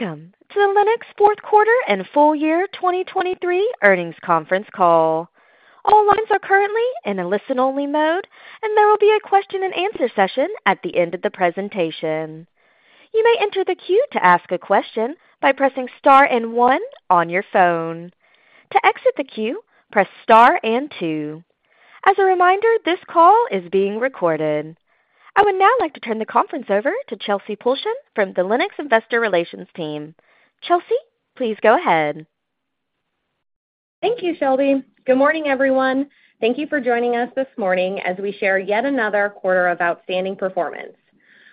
Welcome to the Lennox Fourth Quarter and Full Year 2023 Earnings Conference Call. All lines are currently in a listen-only mode, and there will be a question-and-answer session at the end of the presentation. You may enter the queue to ask a question by pressing star and one on your phone. To exit the queue, press star and two. As a reminder, this call is being recorded. I would now like to turn the conference over to Chelsey Pulcheon from the Lennox Investor Relations team. Chelsey, please go ahead. Thank you, Shelby. Good morning, everyone. Thank you for joining us this morning as we share yet another quarter of outstanding performance.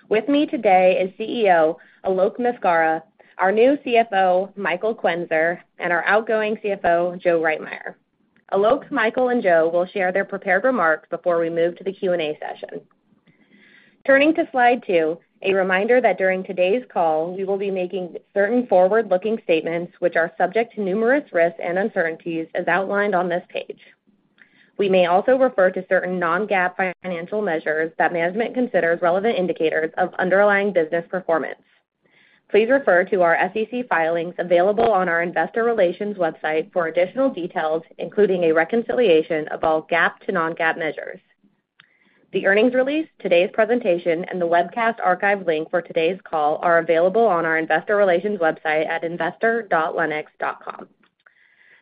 With me today is CEO, Alok Maskara, our new CFO, Michael Quenzer, and our outgoing CFO, Joe Reitmeier. Alok, Michael, and Joe will share their prepared remarks before we move to the Q&A session. Turning to slide two, a reminder that during today's call, we will be making certain forward-looking statements which are subject to numerous risks and uncertainties, as outlined on this page. We may also refer to certain non-GAAP financial measures that management considers relevant indicators of underlying business performance. Please refer to our SEC filings available on our investor relations website for additional details, including a reconciliation of all GAAP to non-GAAP measures. The earnings release, today's presentation, and the webcast archive link for today's call are available on our investor relations website at investor.lennox.com.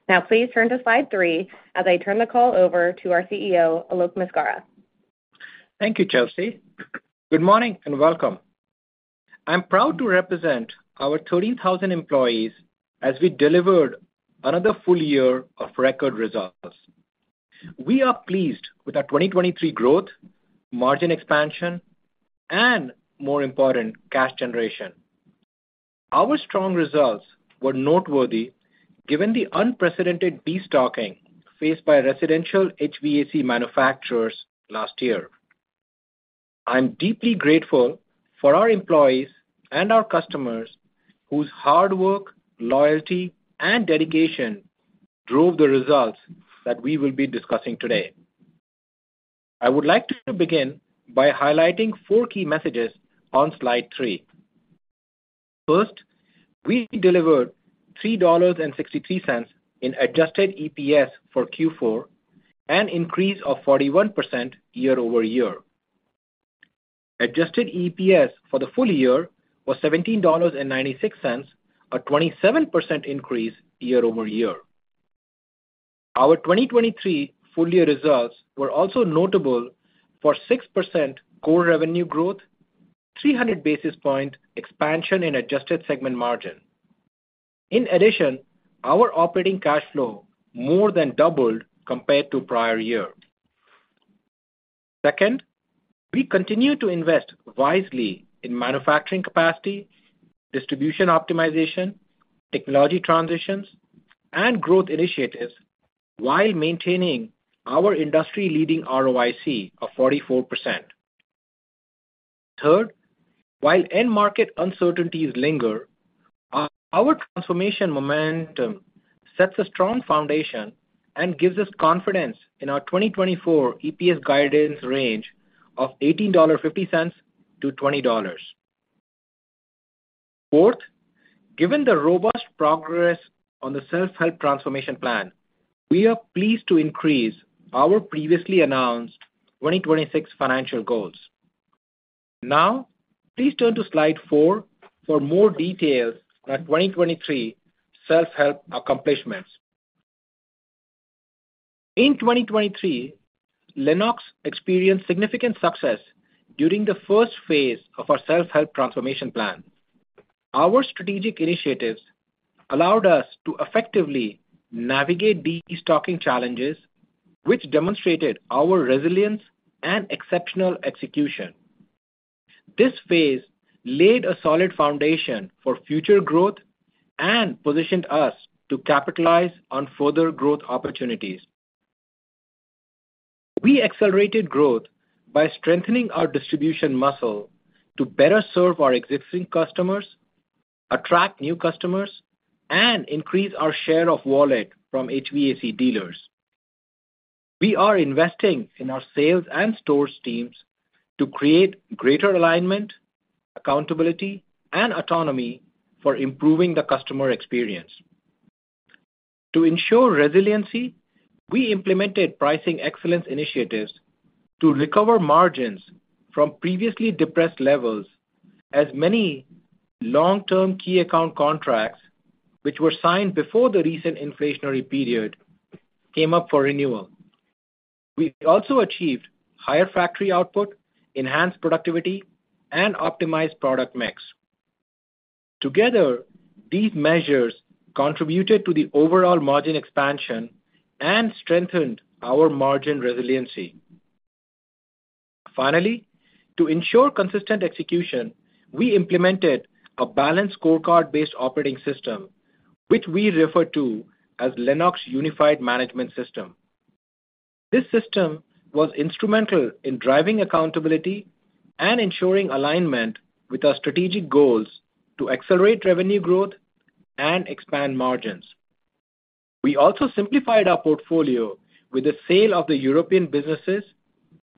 Now, please turn to slide three as I turn the call over to our CEO, Alok Maskara. Thank you, Chelsey. Good morning, and welcome. I'm proud to represent our 30,000 employees as we delivered another full year of record results. We are pleased with our 2023 growth, margin expansion, and more important, cash generation. Our strong results were noteworthy given the unprecedented destocking faced by residential HVAC manufacturers last year. I'm deeply grateful for our employees and our customers, whose hard work, loyalty, and dedication drove the results that we will be discussing today. I would like to begin by highlighting 4 key messages on slide 3. First, we delivered $3.63 in Adjusted EPS for Q4, an increase of 41% year-over-year. Adjusted EPS for the full year was $17.96, a 27% increase year-over-year. Our 2023 full year results were also notable for 6% Core Revenue growth, 300 basis point expansion in Adjusted Segment Margin. In addition, our operating cash flow more than doubled compared to prior year. Second, we continue to invest wisely in manufacturing capacity, distribution optimization, technology transitions, and growth initiatives while maintaining our industry-leading ROIC of 44%. Third, while end market uncertainties linger, our transformation momentum sets a strong foundation and gives us confidence in our 2024 EPS guidance range of $18.50-$20. Fourth, given the robust progress on the self-help transformation plan, we are pleased to increase our previously announced 2026 financial goals. Now, please turn to slide 4 for more details on our 2023 self-help accomplishments. In 2023, Lennox experienced significant success during the first phase of our self-help transformation plan. Our strategic initiatives allowed us to effectively navigate destocking challenges, which demonstrated our resilience and exceptional execution. This phase laid a solid foundation for future growth and positioned us to capitalize on further growth opportunities. We accelerated growth by strengthening our distribution muscle to better serve our existing customers, attract new customers, and increase our share of wallet from HVAC dealers. We are investing in our sales and stores teams to create greater alignment, accountability, and autonomy for improving the customer experience. To ensure resiliency, we implemented pricing excellence initiatives to recover margins from previously depressed levels, as many long-term key account contracts, which were signed before the recent inflationary period, came up for renewal. We also achieved higher factory output, enhanced productivity, and optimized product mix. Together, these measures contributed to the overall margin expansion and strengthened our margin resiliency. Finally, to ensure consistent execution, we implemented a balanced scorecard-based operating system, which we refer to as Lennox Unified Management System. This system was instrumental in driving accountability and ensuring alignment with our strategic goals to accelerate revenue growth and expand margins... We also simplified our portfolio with the sale of the European businesses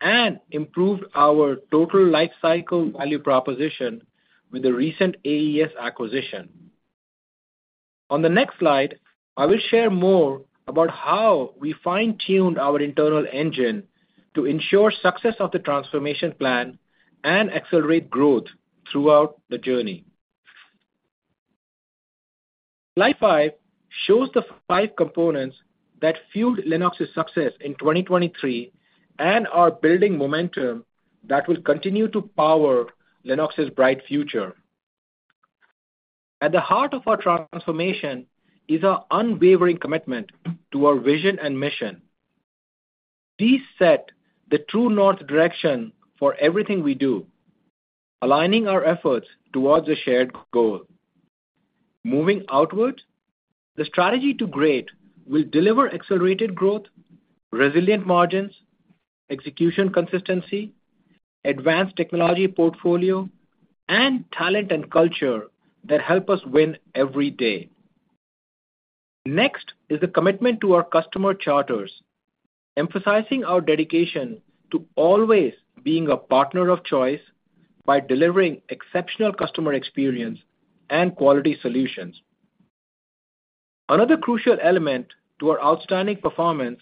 and improved our total life cycle value proposition with the recent AES acquisition. On the next slide, I will share more about how we fine-tuned our internal engine to ensure success of the transformation plan and accelerate growth throughout the journey. Slide 5 shows the five components that fueled Lennox's success in 2023, and are building momentum that will continue to power Lennox's bright future. At the heart of our transformation is our unwavering commitment to our vision and mission. These set the true north direction for everything we do, aligning our efforts towards a shared goal. Moving outward, the strategy to great will deliver accelerated growth, resilient margins, execution consistency, advanced technology portfolio, and talent, and culture that help us win every day. Next is a commitment to our customer charters, emphasizing our dedication to always being a partner of choice by delivering exceptional customer experience and quality solutions. Another crucial element to our outstanding performance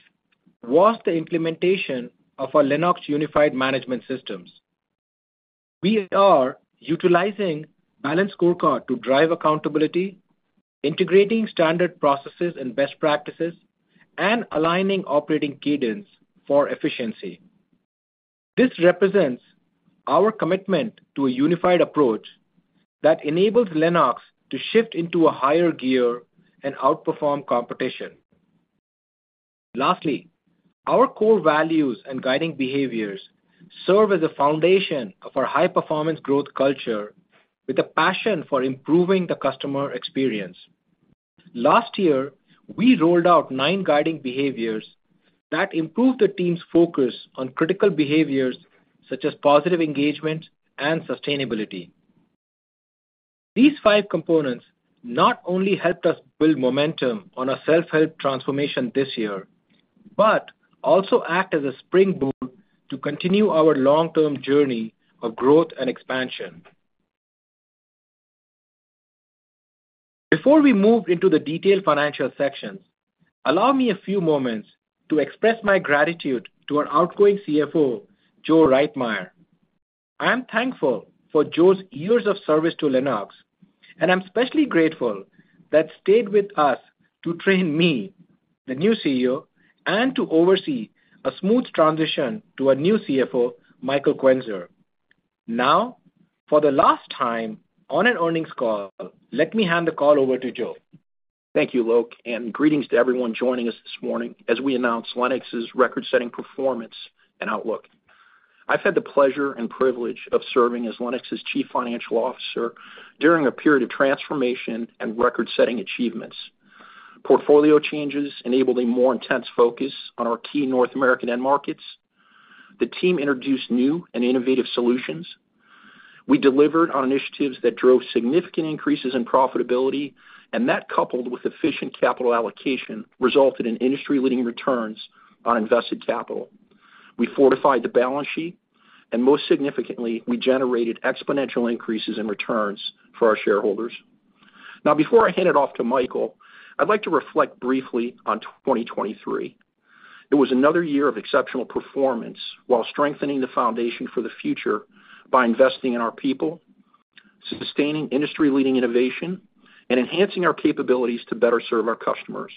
was the implementation of our Lennox Unified Management System. We are utilizing balanced scorecard to drive accountability, integrating standard processes and best practices, and aligning operating cadence for efficiency. This represents our commitment to a unified approach that enables Lennox to shift into a higher gear and outperform competition. Lastly, our core values and guiding behaviors serve as a foundation of our high-performance growth culture, with a passion for improving the customer experience. Last year, we rolled out nine guiding behaviors that improved the team's focus on critical behaviors, such as positive engagement and sustainability. These five components not only helped us build momentum on our self-help transformation this year, but also act as a springboard to continue our long-term journey of growth and expansion. Before we move into the detailed financial sections, allow me a few moments to express my gratitude to our outgoing CFO, Joe Reitmeier. I am thankful for Joe's years of service to Lennox, and I'm especially grateful that stayed with us to train me, the new CEO, and to oversee a smooth transition to our new CFO, Michael Quenzer. Now, for the last time on an earnings call, let me hand the call over to Joe. Thank you, Alok, and greetings to everyone joining us this morning as we announce Lennox's record-setting performance and outlook. I've had the pleasure and privilege of serving as Lennox's Chief Financial Officer during a period of transformation and record-setting achievements. Portfolio changes enabled a more intense focus on our key North American end markets. The team introduced new and innovative solutions. We delivered on initiatives that drove significant increases in profitability, and that, coupled with efficient capital allocation, resulted in industry-leading returns on invested capital. We fortified the balance sheet, and most significantly, we generated exponential increases in returns for our shareholders. Now, before I hand it off to Michael, I'd like to reflect briefly on 2023. It was another year of exceptional performance while strengthening the foundation for the future by investing in our people, sustaining industry-leading innovation, and enhancing our capabilities to better serve our customers.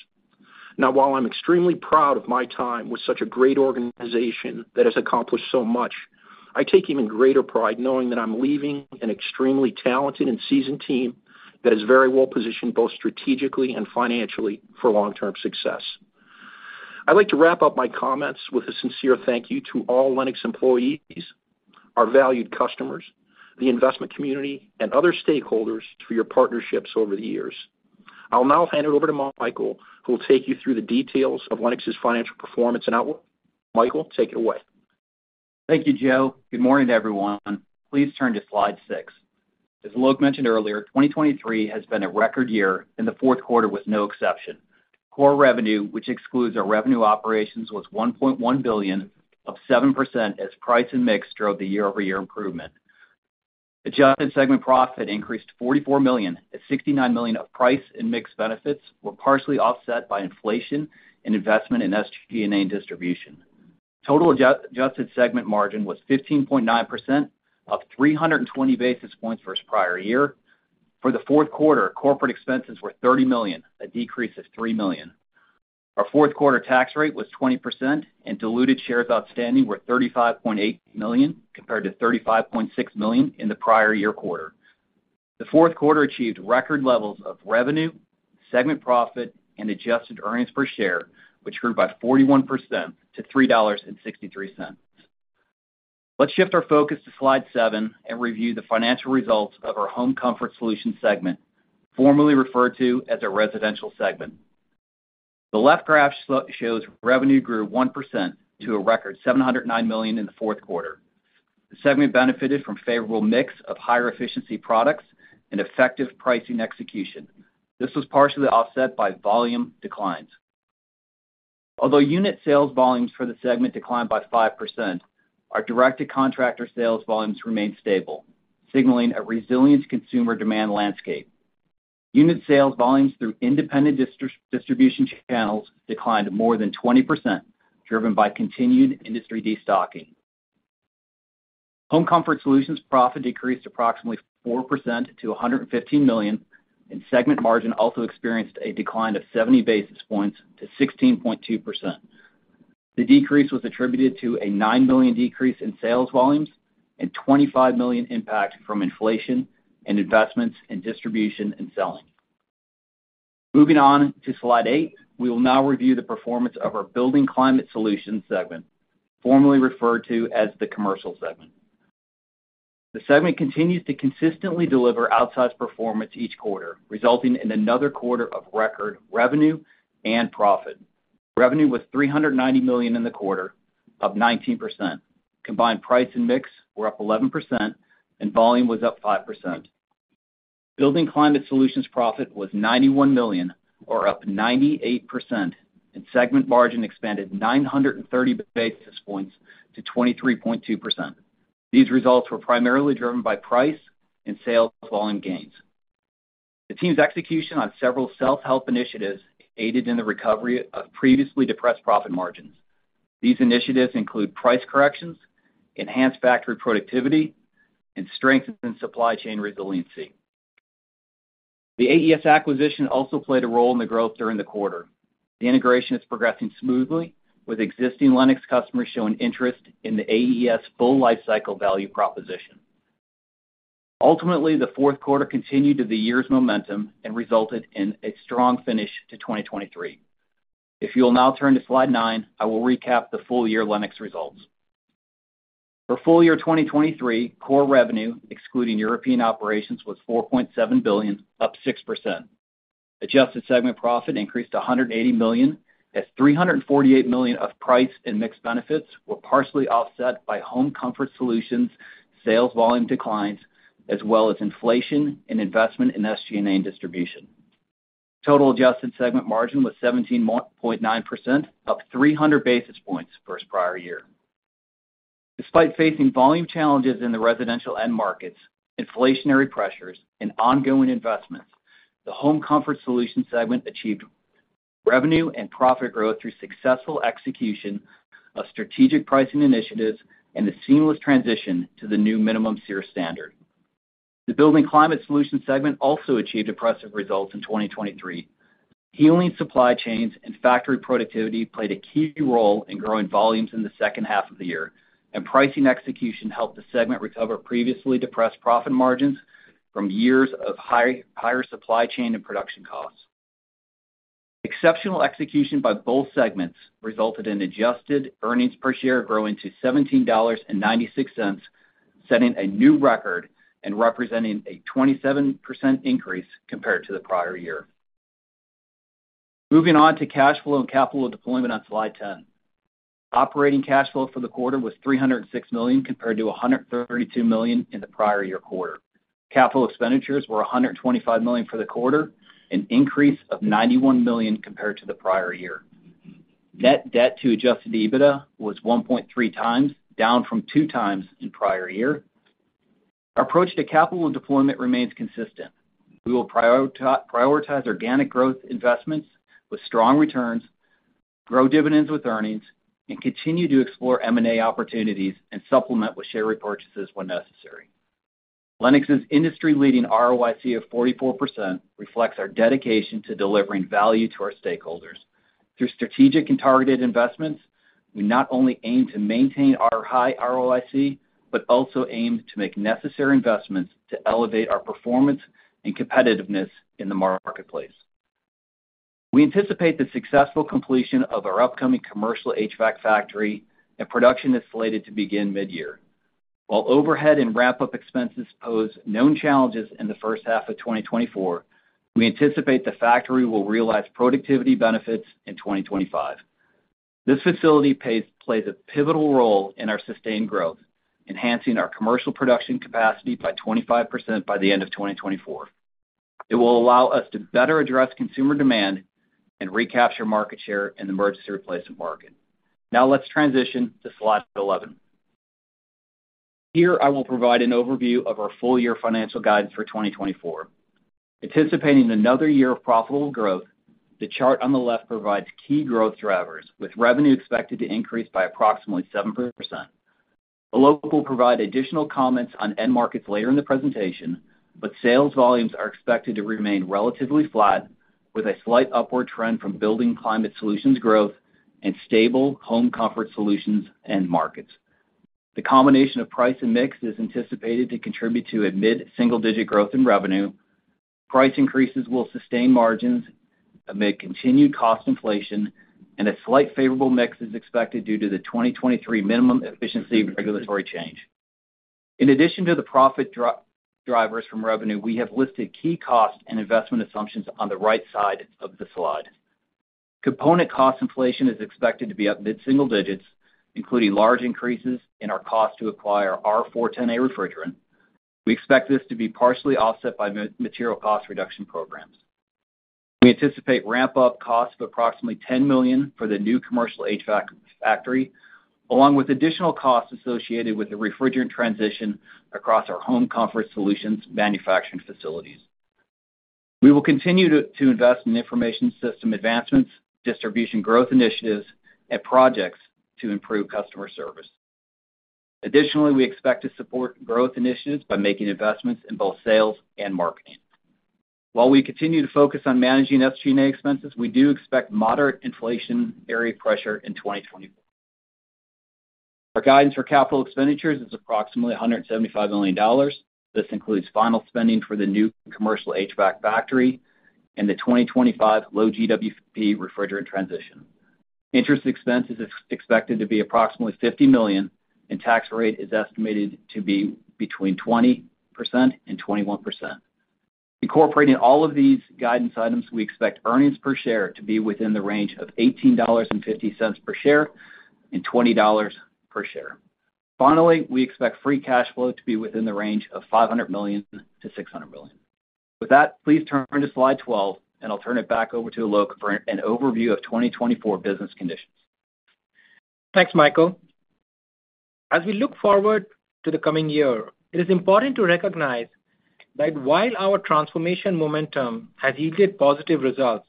Now, while I'm extremely proud of my time with such a great organization that has accomplished so much, I take even greater pride knowing that I'm leaving an extremely talented and seasoned team that is very well positioned, both strategically and financially, for long-term success. I'd like to wrap up my comments with a sincere thank you to all Lennox employees, our valued customers, the investment community, and other stakeholders for your partnerships over the years. I'll now hand it over to Michael, who will take you through the details of Lennox's financial performance and outlook. Michael, take it away. Thank you, Joe. Good morning to everyone. Please turn to slide 6. As Alok mentioned earlier, 2023 has been a record year, and the fourth quarter was no exception. Core revenue, which excludes our revenue operations, was $1.1 billion, up 7% as price and mix drove the year-over-year improvement. Adjusted segment profit increased $44 million, as $69 million of price and mix benefits were partially offset by inflation and investment in SG&A and distribution. Total adjusted segment margin was 15.9%, up 320 basis points versus prior year. For the fourth quarter, corporate expenses were $30 million, a decrease of $3 million. Our fourth quarter tax rate was 20%, and diluted shares outstanding were 35.8 million, compared to 35.6 million in the prior year quarter. The fourth quarter achieved record levels of revenue, segment profit, and adjusted earnings per share, which grew by 41% to $3.63. Let's shift our focus to slide 7 and review the financial results of our Home Comfort Solutions segment, formerly referred to as the Residential segment. The left graph shows revenue grew 1% to a record $709 million in the fourth quarter. The segment benefited from favorable mix of higher efficiency products and effective pricing execution. This was partially offset by volume declines. Although unit sales volumes for the segment declined by 5%, our Direct-to-Contractor sales volumes remained stable, signaling a resilient consumer demand landscape. Unit sales volumes through independent distribution channels declined more than 20%, driven by continued industry destocking. Home Comfort Solutions profit decreased approximately 4% to $115 million, and segment margin also experienced a decline of 70 basis points to 16.2%. The decrease was attributed to a $9 million decrease in sales volumes and $25 million impact from inflation and investments in distribution and selling. Moving on to slide 8, we will now review the performance of our Building Climate Solutions segment, formerly referred to as the Commercial segment. The segment continues to consistently deliver outsized performance each quarter, resulting in another quarter of record revenue and profit. Revenue was $390 million in the quarter, up 19%. Combined price and mix were up 11%, and volume was up 5%. Building Climate Solutions profit was $91 million, or up 98%, and segment margin expanded 930 basis points to 23.2%. These results were primarily driven by price and sales volume gains. The team's execution on several self-help initiatives aided in the recovery of previously depressed profit margins. These initiatives include price corrections, enhanced factory productivity, and strength in supply chain resiliency. The AES acquisition also played a role in the growth during the quarter. The integration is progressing smoothly, with existing Lennox customers showing interest in the AES full lifecycle value proposition. Ultimately, the fourth quarter continued of the year's momentum and resulted in a strong finish to 2023. If you'll now turn to slide 9, I will recap the full year Lennox results. For full year 2023, core revenue, excluding European operations, was $4.7 billion, up 6%. Adjusted segment profit increased to $180 million, as $348 million of price and mix benefits were partially offset by Home Comfort Solutions sales volume declines, as well as inflation and investment in SG&A and distribution. Total adjusted segment margin was 17.9%, up 300 basis points versus prior year. Despite facing volume challenges in the residential end markets, inflationary pressures, and ongoing investments, the Home Comfort Solutions segment achieved revenue and profit growth through successful execution of strategic pricing initiatives and a seamless transition to the new minimum SEER standard. The Building Climate Solutions segment also achieved impressive results in 2023. Healing supply chains and factory productivity played a key role in growing volumes in the second half of the year, and pricing execution helped the segment recover previously depressed profit margins from years of high supply chain and production costs. Exceptional execution by both segments resulted in adjusted earnings per share growing to $17.96, setting a new record and representing a 27% increase compared to the prior year. Moving on to cash flow and capital deployment on slide 10. Operating cash flow for the quarter was $306 million, compared to $132 million in the prior year quarter. Capital expenditures were $125 million for the quarter, an increase of $91 million compared to the prior year. Net debt to adjusted EBITDA was 1.3x, down from 2x in prior year. Our approach to capital deployment remains consistent. We will prioritize organic growth investments with strong returns, grow dividends with earnings, and continue to explore M&A opportunities and supplement with share repurchases when necessary. Lennox's industry-leading ROIC of 44% reflects our dedication to delivering value to our stakeholders. Through strategic and targeted investments, we not only aim to maintain our high ROIC, but also aim to make necessary investments to elevate our performance and competitiveness in the marketplace. We anticipate the successful completion of our upcoming commercial HVAC factory, and production is slated to begin mid-year. While overhead and ramp-up expenses pose known challenges in the first half of 2024, we anticipate the factory will realize productivity benefits in 2025. This facility plays a pivotal role in our sustained growth, enhancing our commercial production capacity by 25% by the end of 2024. It will allow us to better address consumer demand and recapture market share in the emergency replacement market. Now, let's transition to slide 11. Here, I will provide an overview of our full year financial guidance for 2024. Anticipating another year of profitable growth, the chart on the left provides key growth drivers, with revenue expected to increase by approximately 7%. Alok will provide additional comments on end markets later in the presentation, but sales volumes are expected to remain relatively flat, with a slight upward trend from Building Climate Solutions growth and stable Home Comfort Solutions end markets. The combination of price and mix is anticipated to contribute to a mid-single-digit growth in revenue. Price increases will sustain margins amid continued cost inflation, and a slight favorable mix is expected due to the 2023 minimum efficiency regulatory change. In addition to the profit drivers from revenue, we have listed key cost and investment assumptions on the right side of the slide. Component cost inflation is expected to be up mid-single digits, including large increases in our cost to acquire R-410A refrigerant. We expect this to be partially offset by material cost reduction programs. We anticipate ramp-up costs of approximately $10 million for the new commercial HVAC factory, along with additional costs associated with the refrigerant transition across our Home Comfort Solutions manufacturing facilities. We will continue to invest in information system advancements, distribution growth initiatives, and projects to improve customer service. Additionally, we expect to support growth initiatives by making investments in both sales and marketing. While we continue to focus on managing SG&A expenses, we do expect moderate inflation area pressure in 2024. Our guidance for capital expenditures is approximately $175 million. This includes final spending for the new commercial HVAC factory and the 2025 low-GWP refrigerant transition. Interest expense is expected to be approximately $50 million, and tax rate is estimated to be between 20% and 21%. Incorporating all of these guidance items, we expect earnings per share to be within the range of $18.50-$20 per share. Finally, we expect free cash flow to be within the range of $500 million-$600 million. With that, please turn to slide 12, and I'll turn it back over to Alok for an overview of 2024 business conditions. Thanks, Michael. As we look forward to the coming year, it is important to recognize that while our transformation momentum has yielded positive results,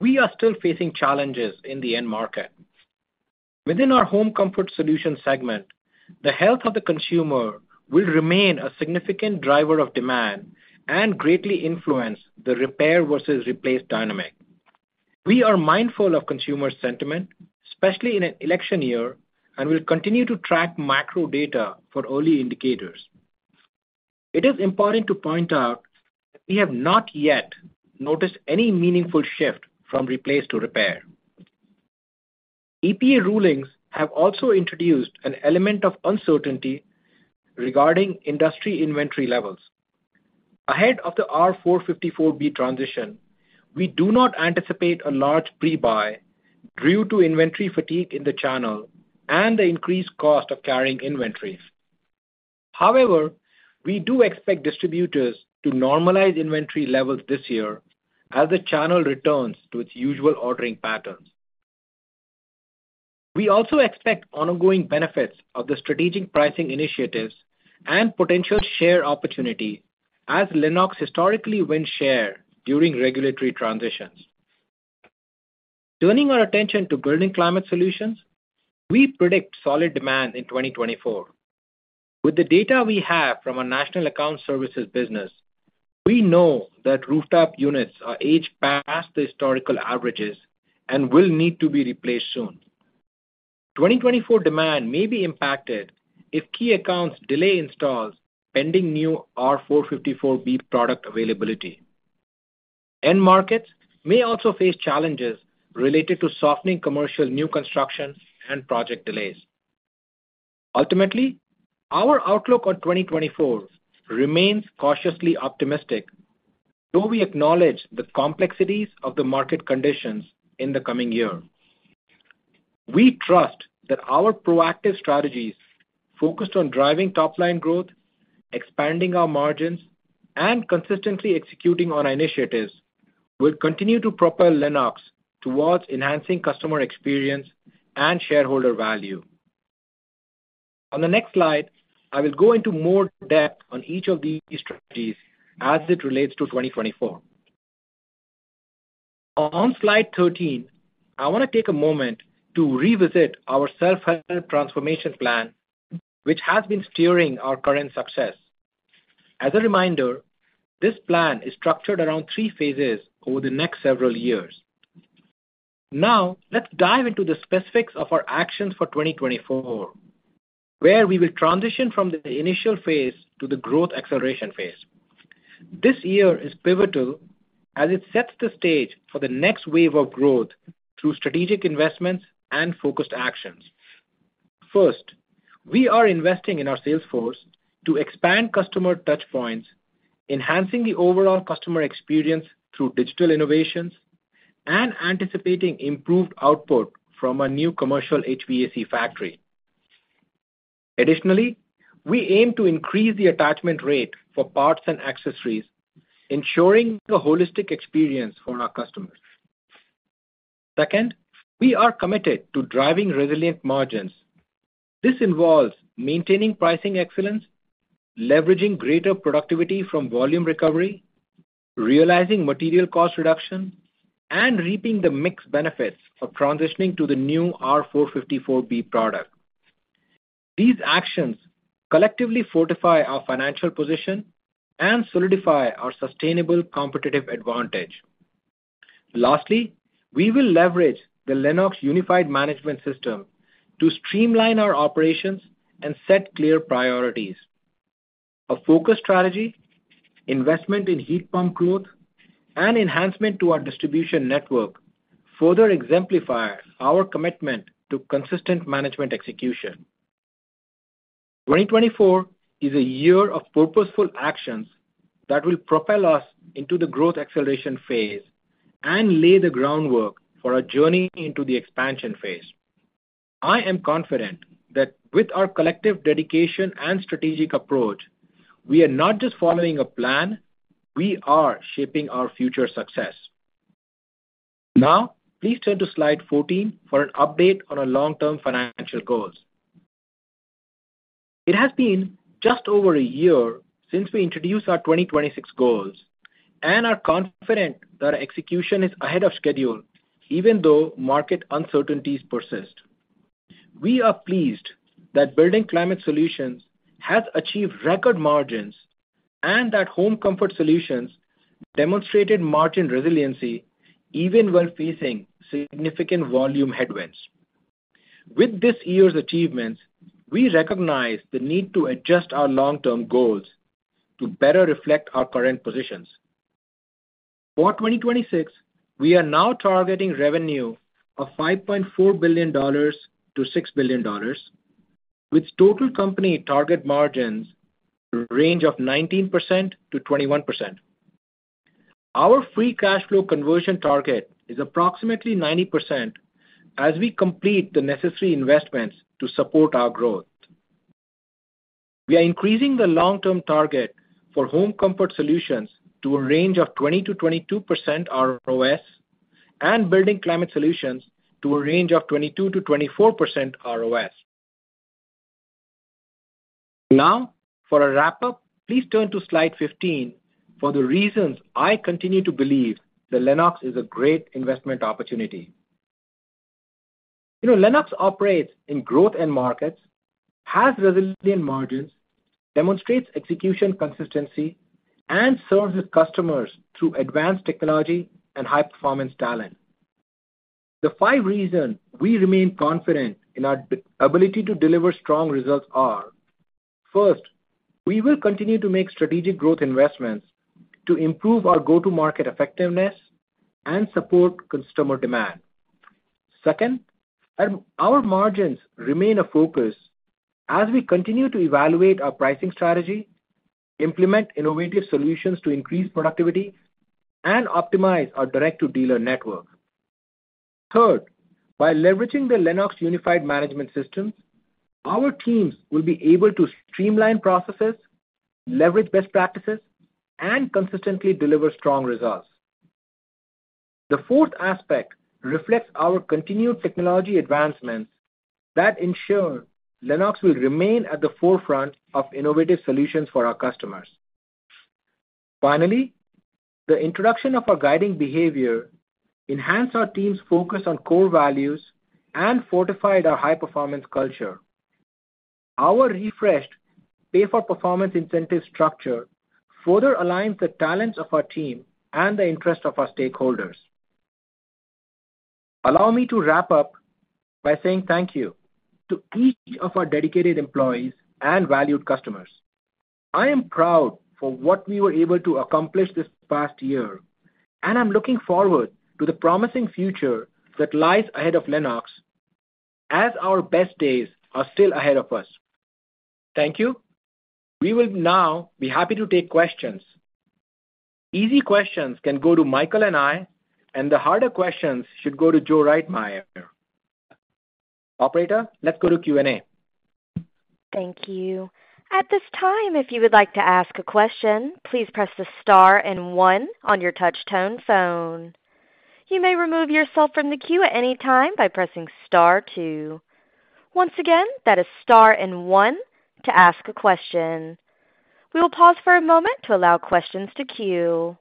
we are still facing challenges in the end market. Within our Home Comfort Solutions segment, the health of the consumer will remain a significant driver of demand and greatly influence the repair versus replace dynamic. We are mindful of consumer sentiment, especially in an election year, and we'll continue to track macro data for early indicators. It is important to point out we have not yet noticed any meaningful shift from replace to repair. EPA rulings have also introduced an element of uncertainty regarding industry inventory levels. Ahead of the R-454B transition, we do not anticipate a large pre-buy due to inventory fatigue in the channel and the increased cost of carrying inventories. However, we do expect distributors to normalize inventory levels this year as the channel returns to its usual ordering patterns. We also expect ongoing benefits of the strategic pricing initiatives and potential share opportunity as Lennox historically wins share during regulatory transitions. Turning our attention to Building Climate Solutions, we predict solid demand in 2024. With the data we have from our national account services business, we know that rooftop units are aged past the historical averages and will need to be replaced soon. 2024 demand may be impacted if key accounts delay installs pending new R-454B product availability. End markets may also face challenges related to softening commercial new constructions and project delays. Ultimately, our outlook on 2024 remains cautiously optimistic, though we acknowledge the complexities of the market conditions in the coming year. We trust that our proactive strategies, focused on driving top-line growth, expanding our margins, and consistently executing on our initiatives, will continue to propel Lennox towards enhancing customer experience and shareholder value. On the next slide, I will go into more depth on each of these strategies as it relates to 2024. On slide 13, I want to take a moment to revisit our self-help transformation plan, which has been steering our current success. As a reminder, this plan is structured around three phases over the next several years. Now, let's dive into the specifics of our actions for 2024, where we will transition from the initial phase to the growth acceleration phase. This year is pivotal as it sets the stage for the next wave of growth through strategic investments and focused actions. First, we are investing in our sales force to expand customer touchpoints, enhancing the overall customer experience through digital innovations, and anticipating improved output from our new commercial HVAC factory. Additionally, we aim to increase the attachment rate for parts and accessories, ensuring a holistic experience for our customers. Second, we are committed to driving resilient margins. This involves maintaining pricing excellence, leveraging greater productivity from volume recovery, realizing material cost reduction, and reaping the mix benefits of transitioning to the new R-454B product. These actions collectively fortify our financial position and solidify our sustainable competitive advantage. Lastly, we will leverage the Lennox Unified Management System to streamline our operations and set clear priorities. A focused strategy, investment in heat pump growth, and enhancement to our distribution network further exemplify our commitment to consistent management execution. 2024 is a year of purposeful actions that will propel us into the growth acceleration phase and lay the groundwork for our journey into the expansion phase. I am confident that with our collective dedication and strategic approach, we are not just following a plan, we are shaping our future success. Now, please turn to slide 14 for an update on our long-term financial goals. It has been just over a year since we introduced our 2026 goals and are confident that our execution is ahead of schedule, even though market uncertainties persist. We are pleased that Building Climate Solutions has achieved record margins, and that Home Comfort Solutions demonstrated margin resiliency even while facing significant volume headwinds. With this year's achievements, we recognize the need to adjust our long-term goals to better reflect our current positions. For 2026, we are now targeting revenue of $5.4 billion-$6 billion, with total company target margins range of 19%-21%. Our free cash flow conversion target is approximately 90% as we complete the necessary investments to support our growth. We are increasing the long-term target for Home Comfort Solutions to a range of 20%-22% ROS, and Building Climate Solutions to a range of 22%-24% ROS. Now, for a wrap-up, please turn to slide 15 for the reasons I continue to believe that Lennox is a great investment opportunity. You know, Lennox operates in growth end markets, has resilient margins, demonstrates execution consistency, and serves its customers through advanced technology and high-performance talent. The five reasons we remain confident in our business ability to deliver strong results are: first, we will continue to make strategic growth investments to improve our go-to-market effectiveness and support customer demand. Second, our margins remain a focus as we continue to evaluate our pricing strategy, implement innovative solutions to increase productivity, and optimize our Direct-to-Dealer network. Third, by leveraging the Lennox Unified Management System, our teams will be able to streamline processes, leverage best practices, and consistently deliver strong results. The fourth aspect reflects our continued technology advancements that ensure Lennox will remain at the forefront of innovative solutions for our customers. Finally, the introduction of our guiding behavior enhanced our team's focus on core values and fortified our high-performance culture. Our refreshed pay-for-performance incentive structure further aligns the talents of our team and the interests of our stakeholders. Allow me to wrap up by saying thank you to each of our dedicated employees and valued customers. I am proud for what we were able to accomplish this past year, and I'm looking forward to the promising future that lies ahead of Lennox, as our best days are still ahead of us. Thank you. We will now be happy to take questions. Easy questions can go to Michael and I, and the harder questions should go to Joe Reitmeier. Operator, let's go to Q&A. Thank you. At this time, if you would like to ask a question, please press the star and one on your touch tone phone. You may remove yourself from the queue at any time by pressing star two. Once again, that is star and one to ask a question. We will pause for a moment to allow questions to queue.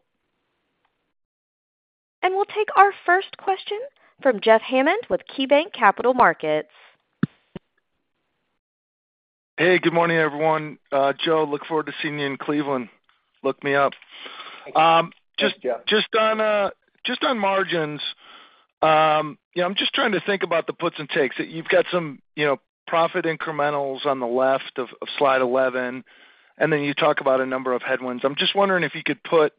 We'll take our first question from Jeff Hammond with KeyBanc Capital Markets. Hey, good morning, everyone. Joe, look forward to seeing you in Cleveland. Look me up. Thanks, Jeff. Just on margins, you know, I'm just trying to think about the puts and takes. You've got some, you know, profit incrementals on the left of slide 11, and then you talk about a number of headwinds. I'm just wondering if you could put,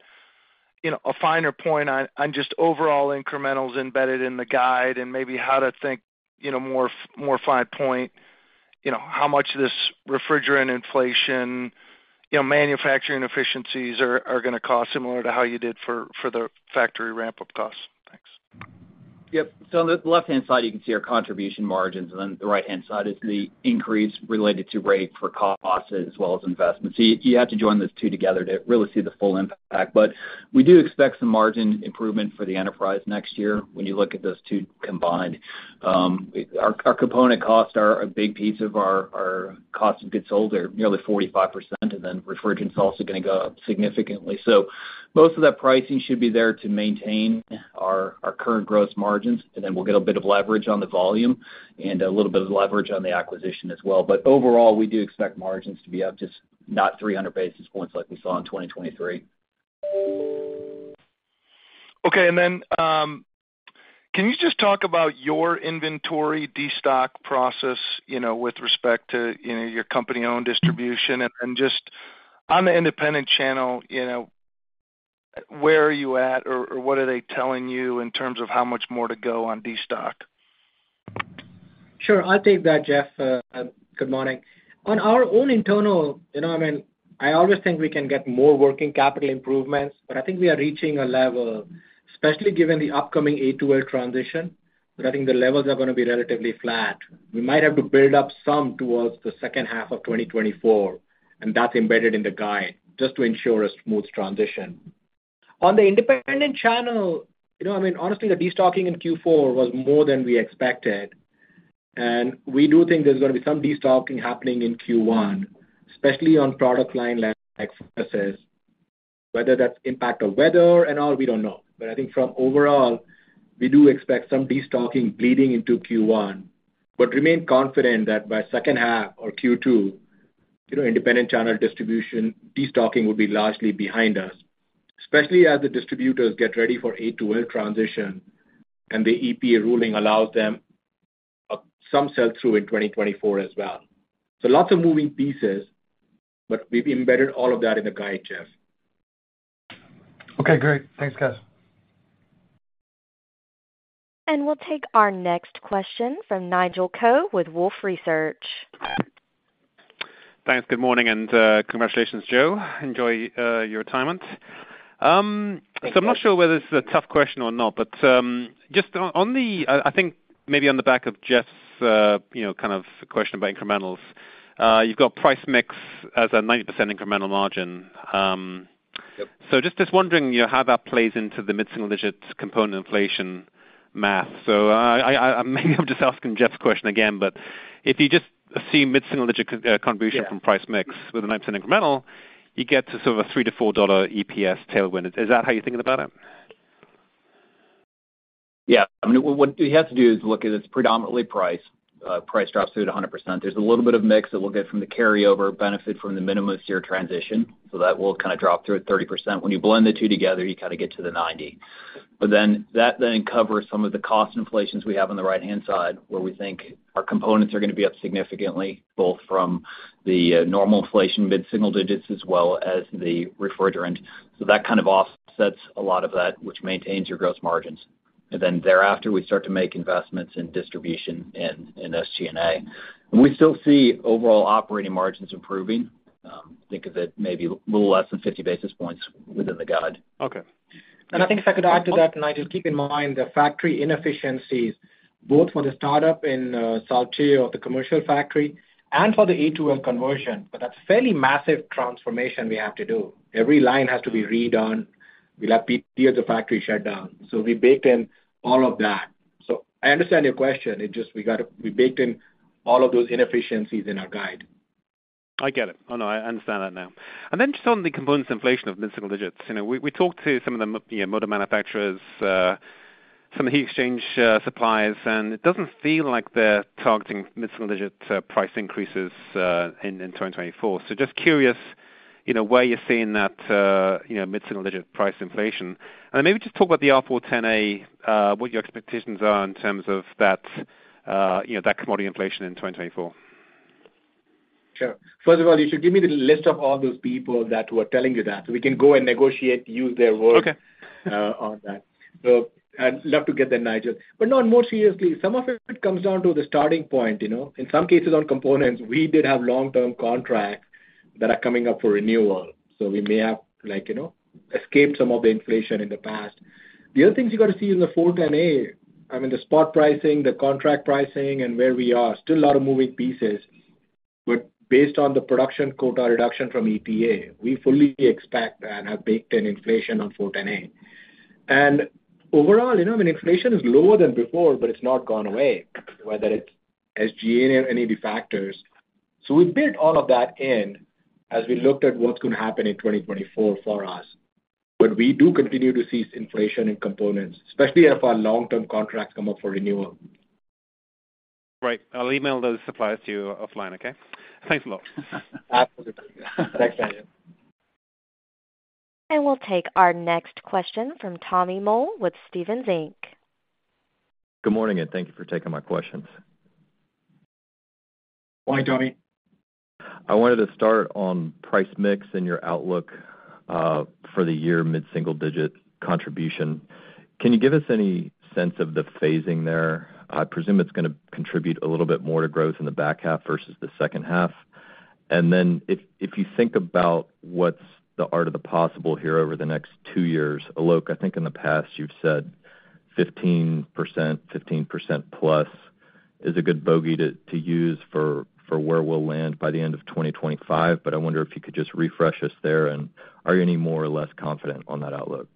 you know, a finer point on just overall incrementals embedded in the guide and maybe how to think, you know, more fine point, you know, how much this refrigerant inflation, you know, manufacturing efficiencies are gonna cost, similar to how you did for the factory ramp-up costs. Thanks. Yep. So on the left-hand side, you can see our contribution margins, and then the right-hand side is the increase related to rate for costs as well as investments. So you have to join those two together to really see the full impact. But we do expect some margin improvement for the enterprise next year when you look at those two combined. Our component costs are a big piece of our cost of goods sold. They're nearly 45%, and then refrigerant's also gonna go up significantly. So most of that pricing should be there to maintain our current gross margins, and then we'll get a bit of leverage on the volume and a little bit of leverage on the acquisition as well. But overall, we do expect margins to be up, just not 300 basis points like we saw in 2023. Okay. And then, can you just talk about your inventory destock process, you know, with respect to, you know, your company-owned distribution? And just on the independent channel, you know, where are you at? Or what are they telling you in terms of how much more to go on destock? Sure. I'll take that, Jeff. Good morning. On our own internal, you know, I mean, I always think we can get more working capital improvements, but I think we are reaching a level, especially given the upcoming A2L transition, that I think the levels are gonna be relatively flat. We might have to build up some towards the second half of 2024, and that's embedded in the guide, just to ensure a smooth transition. On the independent channel, you know, I mean, honestly, the destocking in Q4 was more than we expected, and we do think there's gonna be some destocking happening in Q1, especially on product line like accessories. Whether that's impact of weather and all, we don't know. But I think from overall, we do expect some destocking bleeding into Q1, but remain confident that by second half or Q2, you know, independent channel distribution, destocking will be largely behind us, especially as the distributors get ready for A2L transition, and the EPA ruling allows them, some sell-through in 2024 as well. So lots of moving pieces, but we've embedded all of that in the guide, Jeff. Okay, great. Thanks, guys. We'll take our next question from Nigel Coe with Wolfe Research. Thanks. Good morning, and, congratulations, Joe. Enjoy, your retirement. So I'm not sure whether this is a tough question or not, but just on the, I think maybe on the back of Jeff's, you know, kind of question about incrementals, you've got price mix as a 90% incremental margin. Yep. So just, just wondering, you know, how that plays into the mid-single digits component inflation math. So I, maybe I'm just asking Jeff's question again, but if you just see mid-single digit co-contribution- Yeah... from price mix with a 9% incremental, you get to sort of a $3-$4 EPS tailwind. Is that how you're thinking about it? Yeah. I mean, what, what you have to do is look at it's predominantly price. Price drops to 100%. There's a little bit of mix that we'll get from the carryover benefit from the minimum SEER transition, so that will kind of drop through at 30%. When you blend the two together, you kind of get to the 90. But then, that then covers some of the cost inflations we have on the right-hand side, where we think our components are gonna be up significantly, both from the normal inflation mid-single digits as well as the refrigerant. So that kind of offsets a lot of that, which maintains your gross margins. And then thereafter, we start to make investments in distribution and SG&A. We still see overall operating margins improving, think of it maybe little less than 50 basis points within the guide. Okay. And I think if I could add to that, Nigel, keep in mind the factory inefficiencies, both for the start-up in Saltillo of the commercial factory, and for the A2L conversion. But that's fairly massive transformation we have to do. Every line has to be redone. We'll have years of factory shut down, so we baked in all of that. So I understand your question. It's just we gotta, we baked in all of those inefficiencies in our guide. I get it. Oh, no, I understand that now. And then just on the components inflation of mid-single digits, you know, we, we talked to some of the you know, motor manufacturers, some heat exchange, suppliers, and it doesn't feel like they're targeting mid-single digit, price increases, in, in 2024. So just curious, you know, where you're seeing that, you know, mid-single digit price inflation. And maybe just talk about the R-410A, what your expectations are in terms of that, you know, that commodity inflation in 2024. Sure. First of all, you should give me the list of all those people that were telling you that, so we can go and negotiate, use their work- Okay On that. So I'd love to get that, Nigel. But no, more seriously, some of it comes down to the starting point, you know? In some cases, on components, we did have long-term contracts that are coming up for renewal, so we may have, like, you know, escaped some of the inflation in the past. The other things you've got to see in the R-410A, I mean, the spot pricing, the contract pricing, and where we are. Still a lot of moving pieces, but based on the production quota reduction from EPA, we fully expect and have baked in inflation on R-410A. And overall, you know, I mean, inflation is lower than before, but it's not gone away, whether it's SG&A or any of the factors. We've built all of that in as we looked at what's gonna happen in 2024 for us. But we do continue to see inflation in components, especially if our long-term contracts come up for renewal. Right. I'll email those suppliers to you offline, okay? Thanks a lot. Absolutely. Thanks, Nigel. We'll take our next question from Tommy Moll with Stephens Inc. Good morning, and thank you for taking my questions. Hi, Tommy. I wanted to start on price mix and your outlook for the year, mid-single-digit contribution. Can you give us any sense of the phasing there? I presume it's gonna contribute a little bit more to growth in the back half versus the second half. And then if, if you think about what's the art of the possible here over the next two years, Alok, I think in the past you've said 15%, 15%+ is a good bogey to, to use for, for where we'll land by the end of 2025. But I wonder if you could just refresh us there, and are you any more or less confident on that outlook?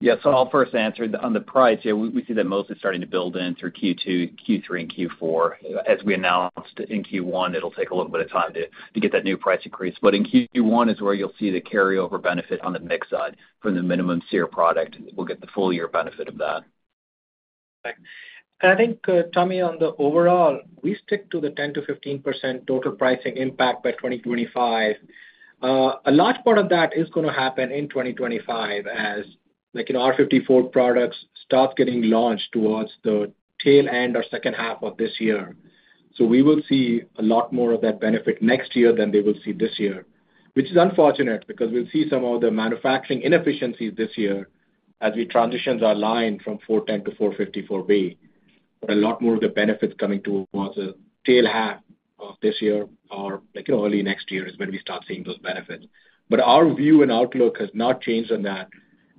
Yeah, so I'll first answer on the price. Yeah, we see that mostly starting to build in through Q2, Q3, and Q4. As we announced in Q1, it'll take a little bit of time to get that new price increase. But in Q1 is where you'll see the carryover benefit on the mix side from the minimum SEER product. We'll get the full year benefit of that. I think, Tommy, on the overall, we stick to the 10%-15% total pricing impact by 2025. A large part of that is gonna happen in 2025 like in R-454B products start getting launched towards the tail end or second half of this year. So we will see a lot more of that benefit next year than they will see this year, which is unfortunate, because we'll see some of the manufacturing inefficiencies this year as we transition our line from R-410A to R-454B. But a lot more of the benefits coming towards the tail half of this year or, like, early next year is when we start seeing those benefits. But our view and outlook has not changed on that,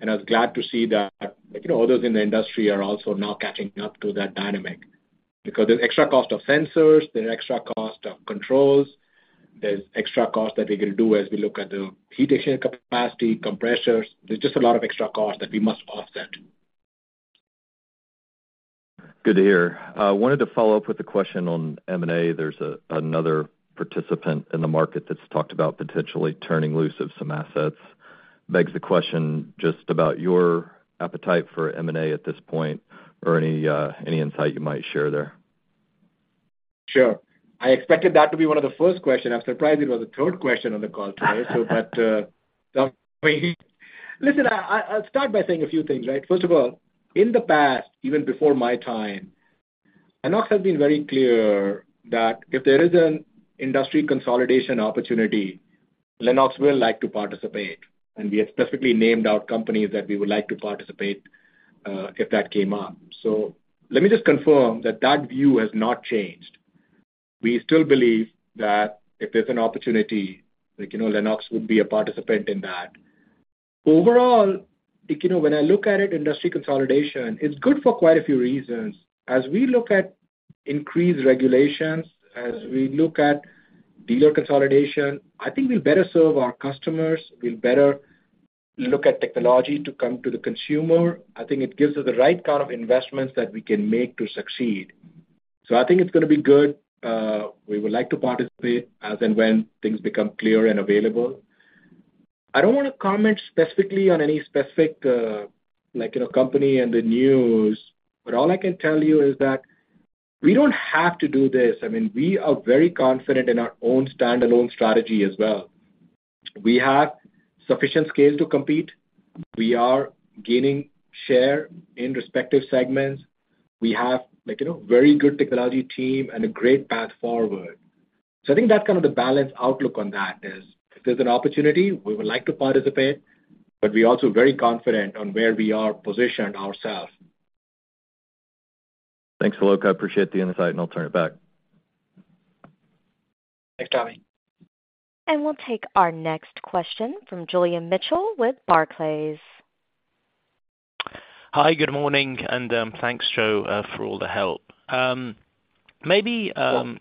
and I was glad to see that, you know, others in the industry are also now catching up to that dynamic. Because there's extra cost of sensors, there's extra cost of controls, there's extra cost that we're gonna do as we look at the heat exchange capacity, compressors. There's just a lot of extra costs that we must offset. Good to hear. I wanted to follow up with a question on M&A. There's another participant in the market that's talked about potentially turning loose of some assets. Begs the question just about your appetite for M&A at this point, or any, any insight you might share there? Sure. I expected that to be one of the first questions. I'm surprised it was the third question on the call today. So, but, listen, I, I'll start by saying a few things, right? First of all, in the past, even before my time, Lennox has been very clear that if there is an industry consolidation opportunity, Lennox will like to participate, and we have specifically named our companies that we would like to participate, if that came up. So let me just confirm that that view has not changed. We still believe that if there's an opportunity, like, you know, Lennox would be a participant in that. Overall, like, you know, when I look at it, industry consolidation, it's good for quite a few reasons. As we look at increased regulations, as we look at dealer consolidation, I think we'll better serve our customers. We'll better look at technology to come to the consumer. I think it gives us the right kind of investments that we can make to succeed. So I think it's gonna be good. We would like to participate as and when things become clear and available. I don't wanna comment specifically on any specific, like, you know, company and the news, but all I can tell you is that we don't have to do this. I mean, we are very confident in our own standalone strategy as well. We have sufficient scale to compete. We are gaining share in respective segments. We have, like, you know, very good technology team and a great path forward. So I think that's kind of the balanced outlook on that is, if there's an opportunity, we would like to participate, but we're also very confident on where we are positioned ourselves. Thanks, Alok. I appreciate the insight, and I'll turn it back. Thanks, Tommy. We'll take our next question from Julian Mitchell with Barclays. Hi, good morning, and, thanks, Joe, for all the help. Maybe,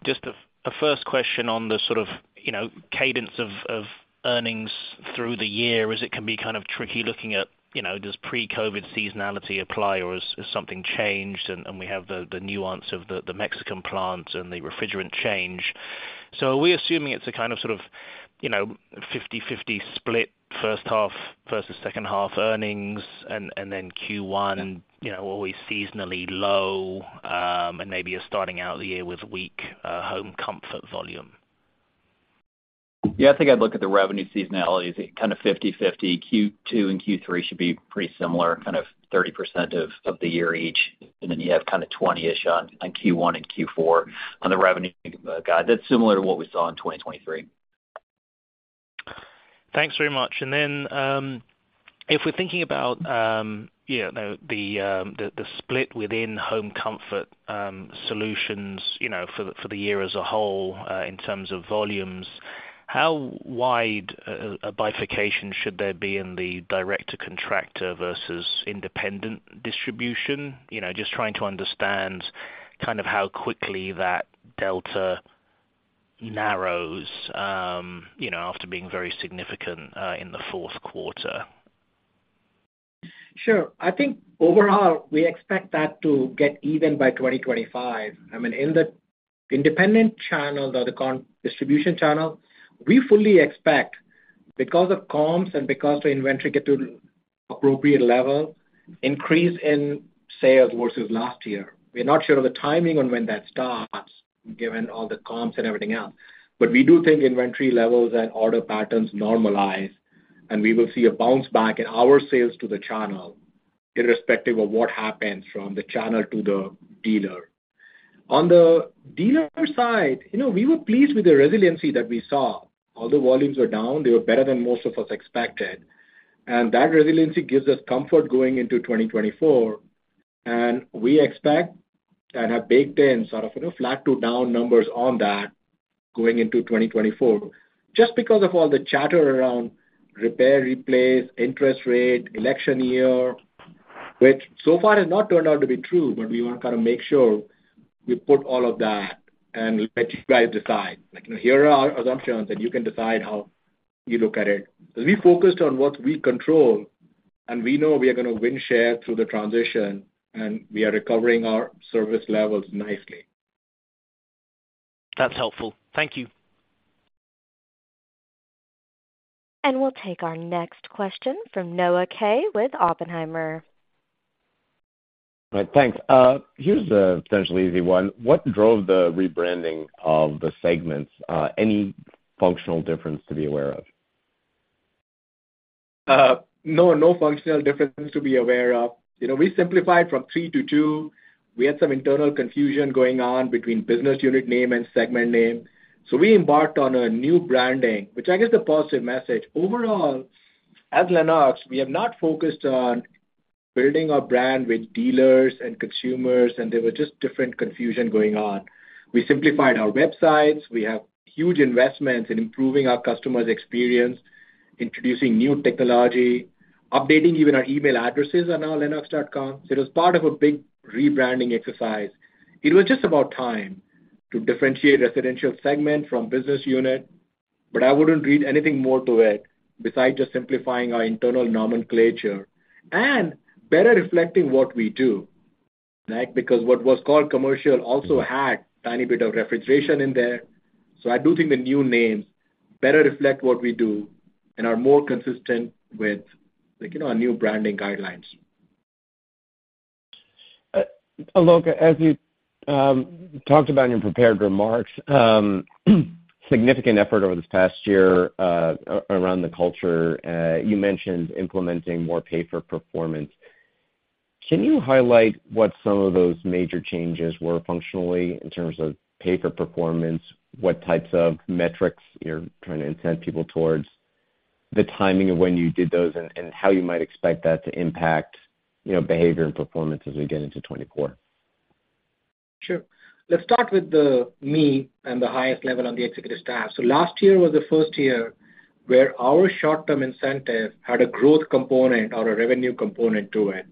just a first question on the sort of, you know, cadence of earnings through the year, as it can be kind of tricky looking at, you know, does pre-COVID seasonality apply, or has something changed? And we have the nuance of the Mexican plant and the refrigerant change. So are we assuming it's a kind of, sort of, you know, 50/50 split, first half versus second half earnings, and then Q1, you know, always seasonally low, and maybe you're starting out the year with weak home comfort volume? Yeah, I think I'd look at the revenue seasonality as a kind of 50/50. Q2 and Q3 should be pretty similar, kind of 30% of the year each, and then you have kind of 20-ish on Q1 and Q4 on the revenue guide. That's similar to what we saw in 2023. Thanks very much. And then, if we're thinking about, you know, the split within Home Comfort Solutions, you know, for the year as a whole, in terms of volumes, how wide a bifurcation should there be in the Direct-to-Contractor versus independent distribution? You know, just trying to understand kind of how quickly that delta narrows, you know, after being very significant, in the fourth quarter. Sure. I think overall, we expect that to get even by 2025. I mean, in the independent channel or the contractor distribution channel, we fully expect, because of comps and because the inventory get to appropriate level, increase in sales versus last year. We're not sure of the timing on when that starts, given all the comps and everything else. But we do think inventory levels and order patterns normalize, and we will see a bounce back in our sales to the channel, irrespective of what happens from the channel to the dealer. On the dealer side, you know, we were pleased with the resiliency that we saw. Although volumes were down, they were better than most of us expected. That resiliency gives us comfort going into 2024, and we expect and have baked in sort of, you know, flat to down numbers on that going into 2024, just because of all the chatter around repair, replace, interest rate, election year, which so far has not turned out to be true, but we want to kind of make sure we put all of that and let you guys decide. Like, you know, here are our assumptions, and you can decide how you look at it. We focused on what we control, and we know we are gonna win share through the transition, and we are recovering our service levels nicely. That's helpful. Thank you. We'll take our next question from Noah Kaye with Oppenheimer. ... Right, thanks. Here's a potentially easy one: What drove the rebranding of the segments? Any functional difference to be aware of? No, no functional differences to be aware of. You know, we simplified from three to two. We had some internal confusion going on between business unit name and segment name. So we embarked on a new branding, which I guess is a positive message. Overall, as Lennox, we have not focused on building our brand with dealers and consumers, and there were just different confusion going on. We simplified our websites, we have huge investments in improving our customer's experience, introducing new technology, updating even our email addresses on our Lennox.com. So it was part of a big rebranding exercise. It was just about time to differentiate Residential segment from business unit, but I wouldn't read anything more to it besides just simplifying our internal nomenclature and better reflecting what we do, right? Because what was called commercial also had a tiny bit of refrigeration in there. I do think the new names better reflect what we do and are more consistent with, like, you know, our new branding guidelines. Alok, as you talked about in your prepared remarks, significant effort over this past year around the culture. You mentioned implementing more pay for performance. Can you highlight what some of those major changes were functionally in terms of pay for performance? What types of metrics you're trying to incent people towards, the timing of when you did those, and how you might expect that to impact, you know, behavior and performance as we get into 2024? Sure. Let's start with the CEO and the highest level on the executive staff. So last year was the first year where our short-term incentive had a growth component or a revenue component to it.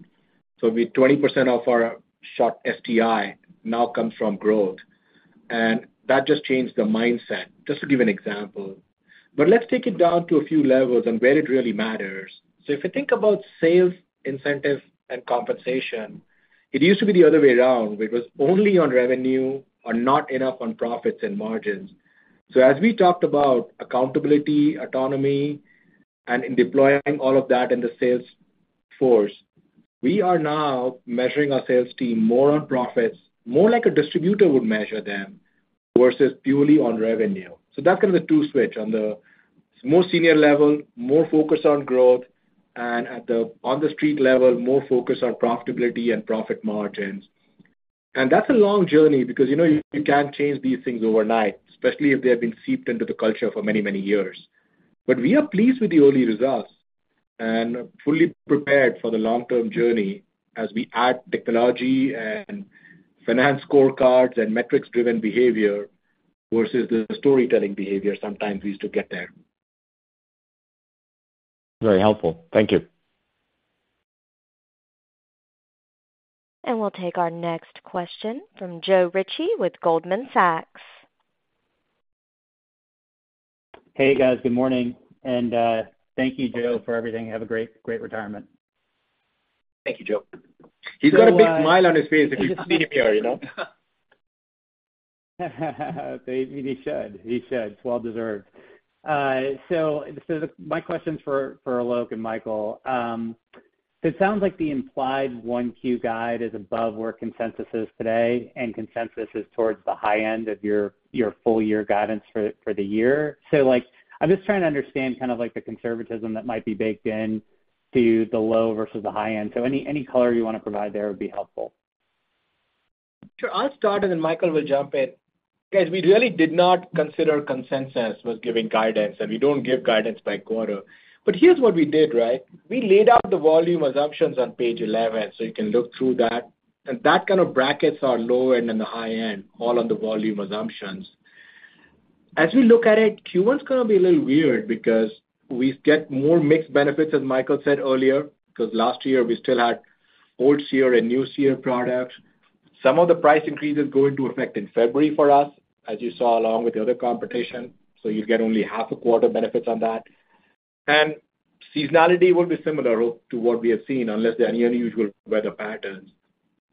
So with 20% of our short STI now comes from growth, and that just changed the mindset, just to give an example. But let's take it down to a few levels and where it really matters. So if you think about sales, incentive, and compensation, it used to be the other way around, where it was only on revenue or not enough on profits and margins. So as we talked about accountability, autonomy, and in deploying all of that in the sales force, we are now measuring our sales team more on profits, more like a distributor would measure them, versus purely on revenue. So that kind of a two switch. On the more senior level, more focus on growth, and on the street level, more focus on profitability and profit margins. That's a long journey because, you know, you can't change these things overnight, especially if they have been seeped into the culture for many, many years. But we are pleased with the early results and fully prepared for the long-term journey as we add technology and finance scorecards and metrics-driven behavior versus the storytelling behavior sometimes we used to get there. Very helpful. Thank you. We'll take our next question from Joe Ritchie with Goldman Sachs. Hey, guys. Good morning, and thank you, Joe, for everything. Have a great, great retirement. Thank you, Joe. He's got a big smile on his face if you see him here, you know? He should. He should. It's well deserved. So, my question is for Alok and Michael. It sounds like the implied 1Q guide is above where consensus is today, and consensus is towards the high end of your full year guidance for the year. So like, I'm just trying to understand kind of like the conservatism that might be baked in to the low versus the high end. So any color you want to provide there would be helpful. Sure. I'll start, and then Michael will jump in. Guys, we really did not consider consensus was giving guidance, and we don't give guidance by quarter. But here's what we did, right? We laid out the volume assumptions on page 11, so you can look through that. And that kind of brackets our low end and the high end, all on the volume assumptions. As we look at it, Q1's gonna be a little weird because we get more mix benefits, as Michael said earlier, because last year we still had old SEER and new SEER products. Some of the price increases go into effect in February for us, as you saw, along with the other competition, so you get only half a quarter benefits on that. And seasonality will be similar to what we have seen, unless there are any unusual weather patterns.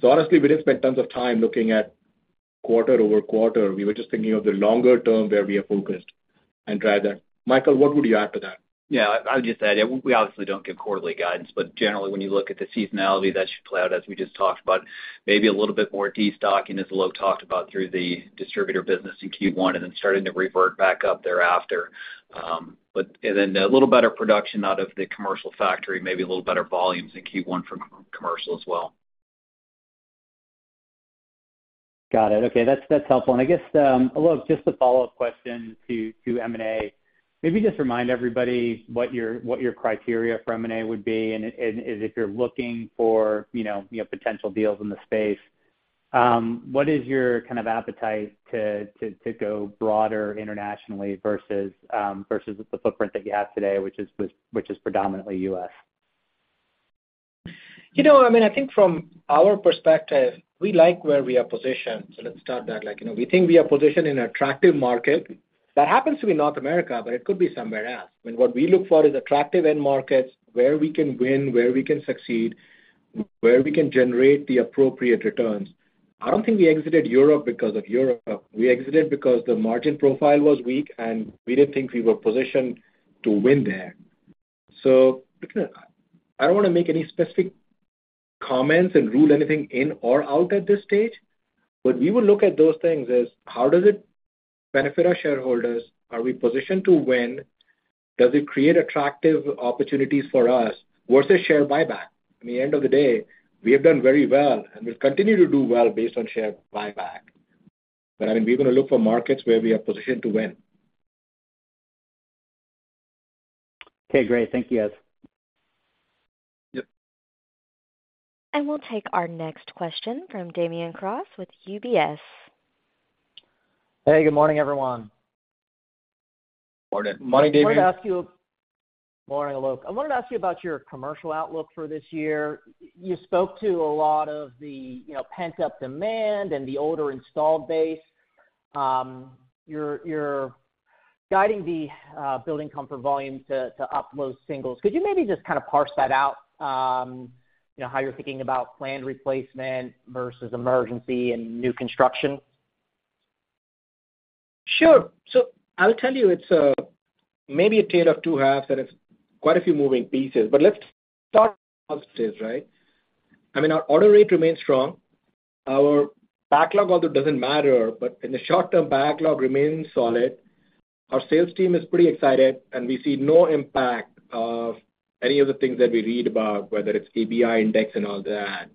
So honestly, we didn't spend tons of time looking at quarter-over-quarter. We were just thinking of the longer term, where we are focused and drive that. Michael, what would you add to that? Yeah, I would just add, we obviously don't give quarterly guidance, but generally, when you look at the seasonality, that should play out as we just talked about. Maybe a little bit more destocking, as Alok talked about, through the distributor business in Q1, and then starting to revert back up thereafter. And then a little better production out of the commercial factory, maybe a little better volumes in Q1 for commercial as well. Got it. Okay, that's helpful. I guess, Alok, just a follow-up question to M&A. Maybe just remind everybody what your criteria for M&A would be, and if you're looking for, you know, potential deals in the space, what is your kind of appetite to go broader internationally versus the footprint that you have today, which is predominantly U.S.? You know, I mean, I think from our perspective, we like where we are positioned. So let's start that. Like, you know, we think we are positioned in an attractive market. That happens to be North America, but it could be somewhere else. I mean, what we look for is attractive end markets, where we can win, where we can succeed, where we can generate the appropriate returns. I don't think we exited Europe because of Europe. We exited because the margin profile was weak, and we didn't think we were positioned to win there.... So, look, I don't wanna make any specific comments and rule anything in or out at this stage, but we will look at those things as: How does it benefit our shareholders? Are we positioned to win? Does it create attractive opportunities for us versus share buyback? At the end of the day, we have done very well, and we've continued to do well based on share buyback. But, I mean, we're gonna look for markets where we are positioned to win. Okay, great. Thank you, guys. Yep. We'll take our next question from Damian Karas with UBS. Hey, good morning, everyone. Morning. Morning, Damian. I wanted to ask you—Morning, Alok. I wanted to ask you about your commercial outlook for this year. You spoke to a lot of the, you know, pent-up demand and the older installed base. You're guiding the building comfort volume to up those singles. Could you maybe just kind of parse that out, you know, how you're thinking about planned replacement versus emergency and new construction? Sure. So I'll tell you, it's maybe a tale of two halves that have quite a few moving pieces, but let's start upstairs, right? I mean, our order rate remains strong. Our backlog although doesn't matter, but in the short term, backlog remains solid. Our sales team is pretty excited, and we see no impact of any of the things that we read about, whether it's KBI Index and all that.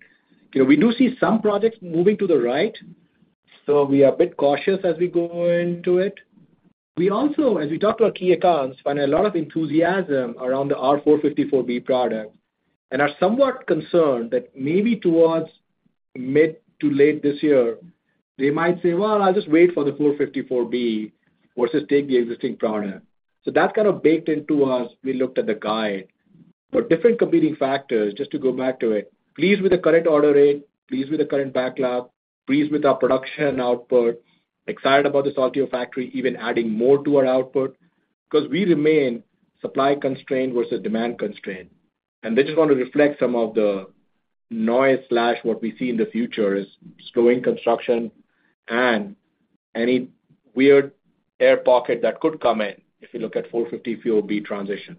You know, we do see some projects moving to the right, so we are a bit cautious as we go into it. We also, as we talk to our key accounts, find a lot of enthusiasm around the R-454B product, and are somewhat concerned that maybe towards mid to late this year, they might say, "Well, I'll just wait for the R-454B versus take the existing product." So that kind of baked into us as we looked at the guide. But different competing factors, just to go back to it, pleased with the current order rate, pleased with the current backlog, pleased with our production output, excited about the Saltillo factory, even adding more to our output, 'cause we remain supply constrained versus demand constrained. And they just wanna reflect some of the noise/what we see in the future is slowing construction and any weird air pocket that could come in if you look at R-410A transition.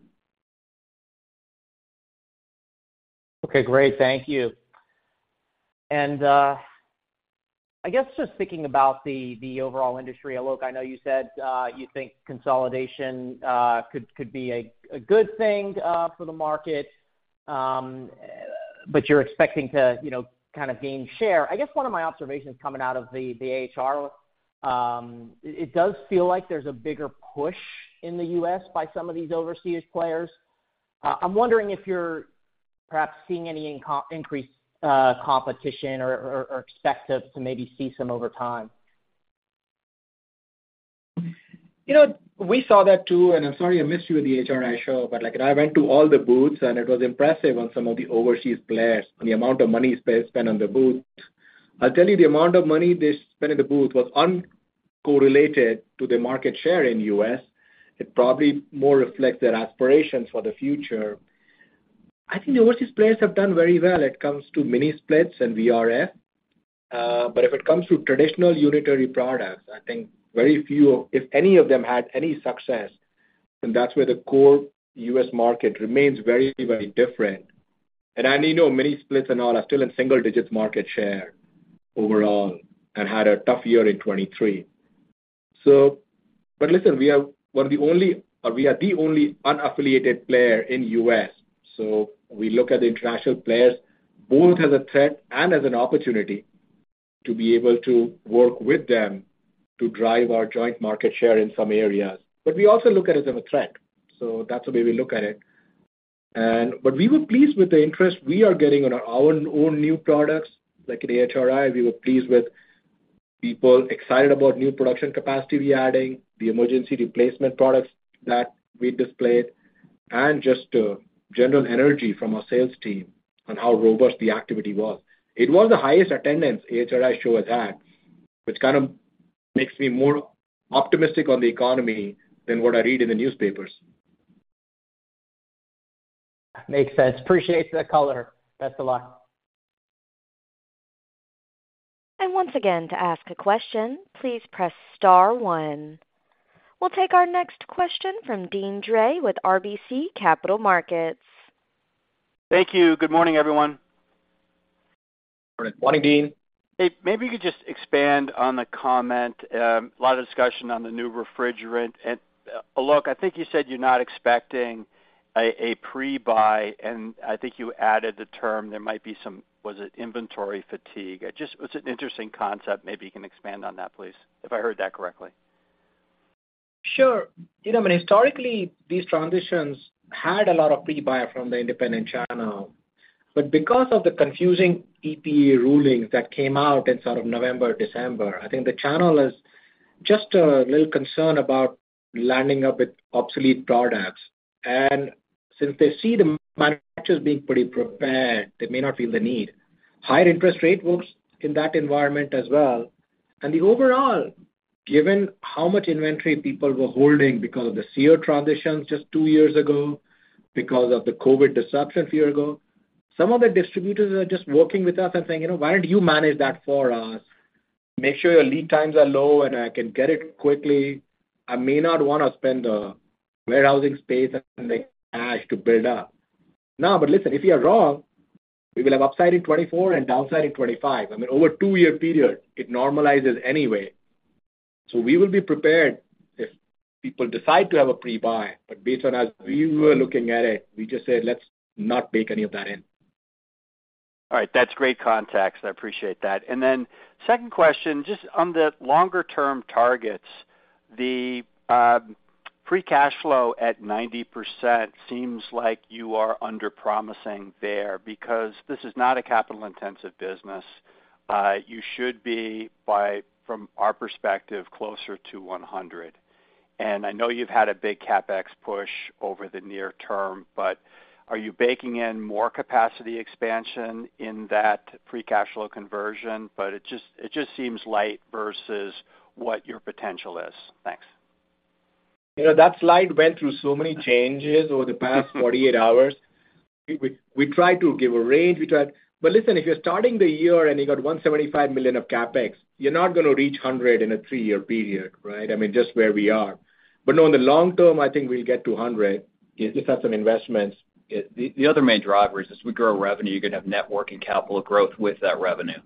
Okay, great. Thank you. And, I guess just thinking about the, the overall industry, Alok, I know you said, you think consolidation could be a good thing for the market, but you're expecting to, you know, kind of gain share. I guess one of my observations coming out of the, the AHR, it does feel like there's a bigger push in the U.S. by some of these overseas players. I'm wondering if you're perhaps seeing any increased competition or expect to maybe see some over time. You know, we saw that too, and I'm sorry, I missed you at the AHRI show, but, like, I went to all the booths, and it was impressive on some of the overseas players and the amount of money they spent on the booth. I'll tell you, the amount of money they spent in the booth was uncorrelated to the market share in U.S. It probably more reflects their aspirations for the future. I think the overseas players have done very well. It comes to mini splits and VRF. But if it comes to traditional unitary products, I think very few, if any of them, had any success, and that's where the core U.S. market remains very, very different. And I know mini splits and all are still in single digits market share overall and had a tough year in 2023. But listen, we are one of the only—or we are the only unaffiliated player in U.S., so we look at the international players both as a threat and as an opportunity to be able to work with them to drive our joint market share in some areas. But we also look at it as a threat, so that's the way we look at it. But we were pleased with the interest we are getting on our own new products, like at AHRI, we were pleased with people excited about new production capacity we adding, the emergency replacement products that we displayed, and just a general energy from our sales team on how robust the activity was. It was the highest attendance AHRI show has had, which kind of makes me more optimistic on the economy than what I read in the newspapers. Makes sense. Appreciate the color. Thanks a lot. Once again, to ask a question, please press star one. We'll take our next question from Deane Dray with RBC Capital Markets. Thank you. Good morning, everyone. Morning. Morning, Deane. Hey, maybe you could just expand on the comment, a lot of discussion on the new refrigerant. Alok, I think you said you're not expecting a pre-buy, and I think you added the term there might be some, was it inventory fatigue? It just was an interesting concept. Maybe you can expand on that, please, if I heard that correctly. Sure. You know, historically, these transitions had a lot of pre-buy from the independent channel. But because of the confusing EPA rulings that came out in sort of November, December, I think the channel is just a little concerned about ending up with obsolete products. And since they see the manufacturers being pretty prepared, they may not feel the need. Higher interest rate works in that environment as well. And overall, given how much inventory people were holding because of the SEER transitions just 2 years ago, because of the COVID disruption a few ago, some of the distributors are just working with us and saying: You know, why don't you manage that for us? Make sure your lead times are low, and I can get it quickly. I may not want to spend the warehousing space and the cash to build up. Now, but listen, if you are wrong, we will have upside in 2024 and downside in 2025. I mean, over a two-year period, it normalizes anyway. So we will be prepared if people decide to have a pre-buy, but based on as we were looking at it, we just said, "Let's not bake any of that in. All right. That's great context. I appreciate that. And then second question, just on the longer-term targets, the free cash flow at 90% seems like you are under-promising there because this is not a capital-intensive business. You should be, by from our perspective, closer to 100. And I know you've had a big CapEx push over the near term, but are you baking in more capacity expansion in that free cash flow conversion? But it just, it just seems light versus what your potential is. Thanks. You know, that slide went through so many changes over the past 48 hours. We tried to give a range, we tried. But listen, if you're starting the year and you got $175 million of CapEx, you're not going to reach $100 million in a 3-year period, right? I mean, just where we are. But no, in the long term, I think we'll get to $100 million if you have some investments. The other main driver is as we grow revenue, you're going to have net working capital growth with that revenue.